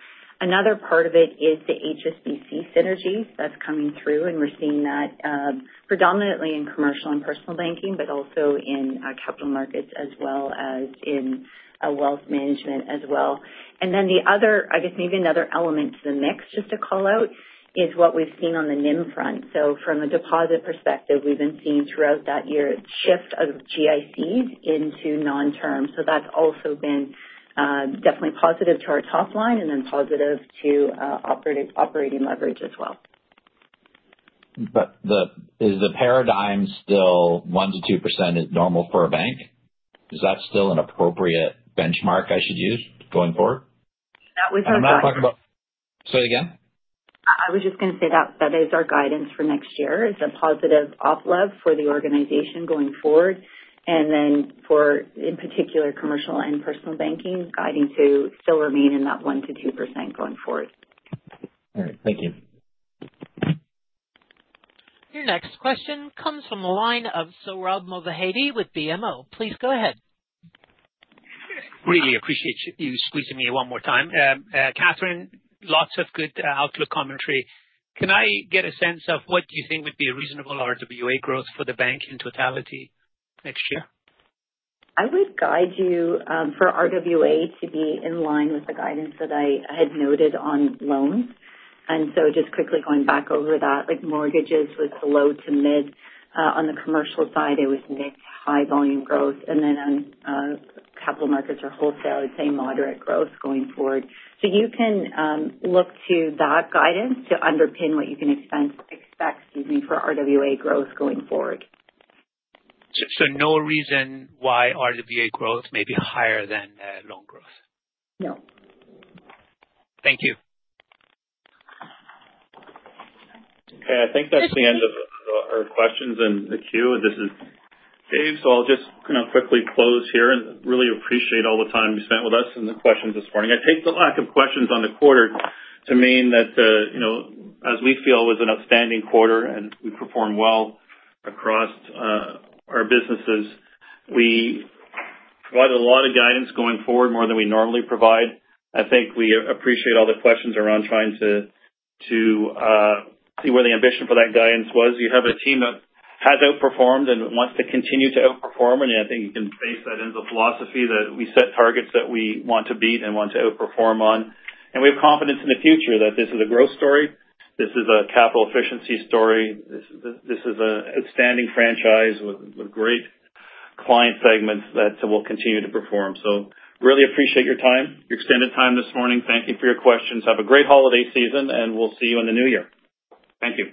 Another part of it is the HSBC synergies that's coming through. We're seeing that predominantly in commercial and personal banking, but also in capital markets as well as in wealth management as well. The other, I guess maybe another element to the mix, just to call out, is what we've seen on the NIM front. From a deposit perspective, we've been seeing throughout that year a shift of GICs into non-term. That's also been definitely positive to our top line and then positive to operating leverage as well. Is the paradigm still 1%-2% is normal for a bank? Is that still an appropriate benchmark I should use going forward? That was our guidance. I'm not talking about say it again. I was just going to say that that is our guidance for next year. It's a positive uplift for the organization going forward. And then, for in particular, commercial and personal banking, guiding to still remain in that 1%-2% going forward. All right. Thank you. Your next question comes from the line of Sohrab Movahedi with BMO. Please go ahead. Really appreciate you squeezing me one more time. Katherine, lots of good outlook commentary. Can I get a sense of what do you think would be a reasonable RWA growth for the bank in totality next year? I would guide you for RWA to be in line with the guidance that I had noted on loans. And so just quickly going back over that, mortgages was low to mid. On the commercial side, it was mid to high volume growth. And then on capital markets or wholesale, I'd say moderate growth going forward. So you can look to that guidance to underpin what you can expect for RWA growth going forward. So no reason why RWA growth may be higher than loan growth? No. Thank you. Okay. I think that's the end of our questions in the queue. This is Dave. So I'll just kind of quickly close here and really appreciate all the time you spent with us and the questions this morning. I take the lack of questions on the quarter to mean that as we feel was an outstanding quarter and we performed well across our businesses; we provided a lot of guidance going forward more than we normally provide. I think we appreciate all the questions around trying to see where the ambition for that guidance was. You have a team that has outperformed and wants to continue to outperform. And I think you can base that in the philosophy that we set targets that we want to beat and want to outperform on. And we have confidence in the future that this is a growth story. This is a capital efficiency story. This is an outstanding franchise with great client segments that will continue to perform. So really appreciate your time, your extended time this morning. Thank you for your questions. Have a great holiday season, and we'll see you in the new year. Thank you.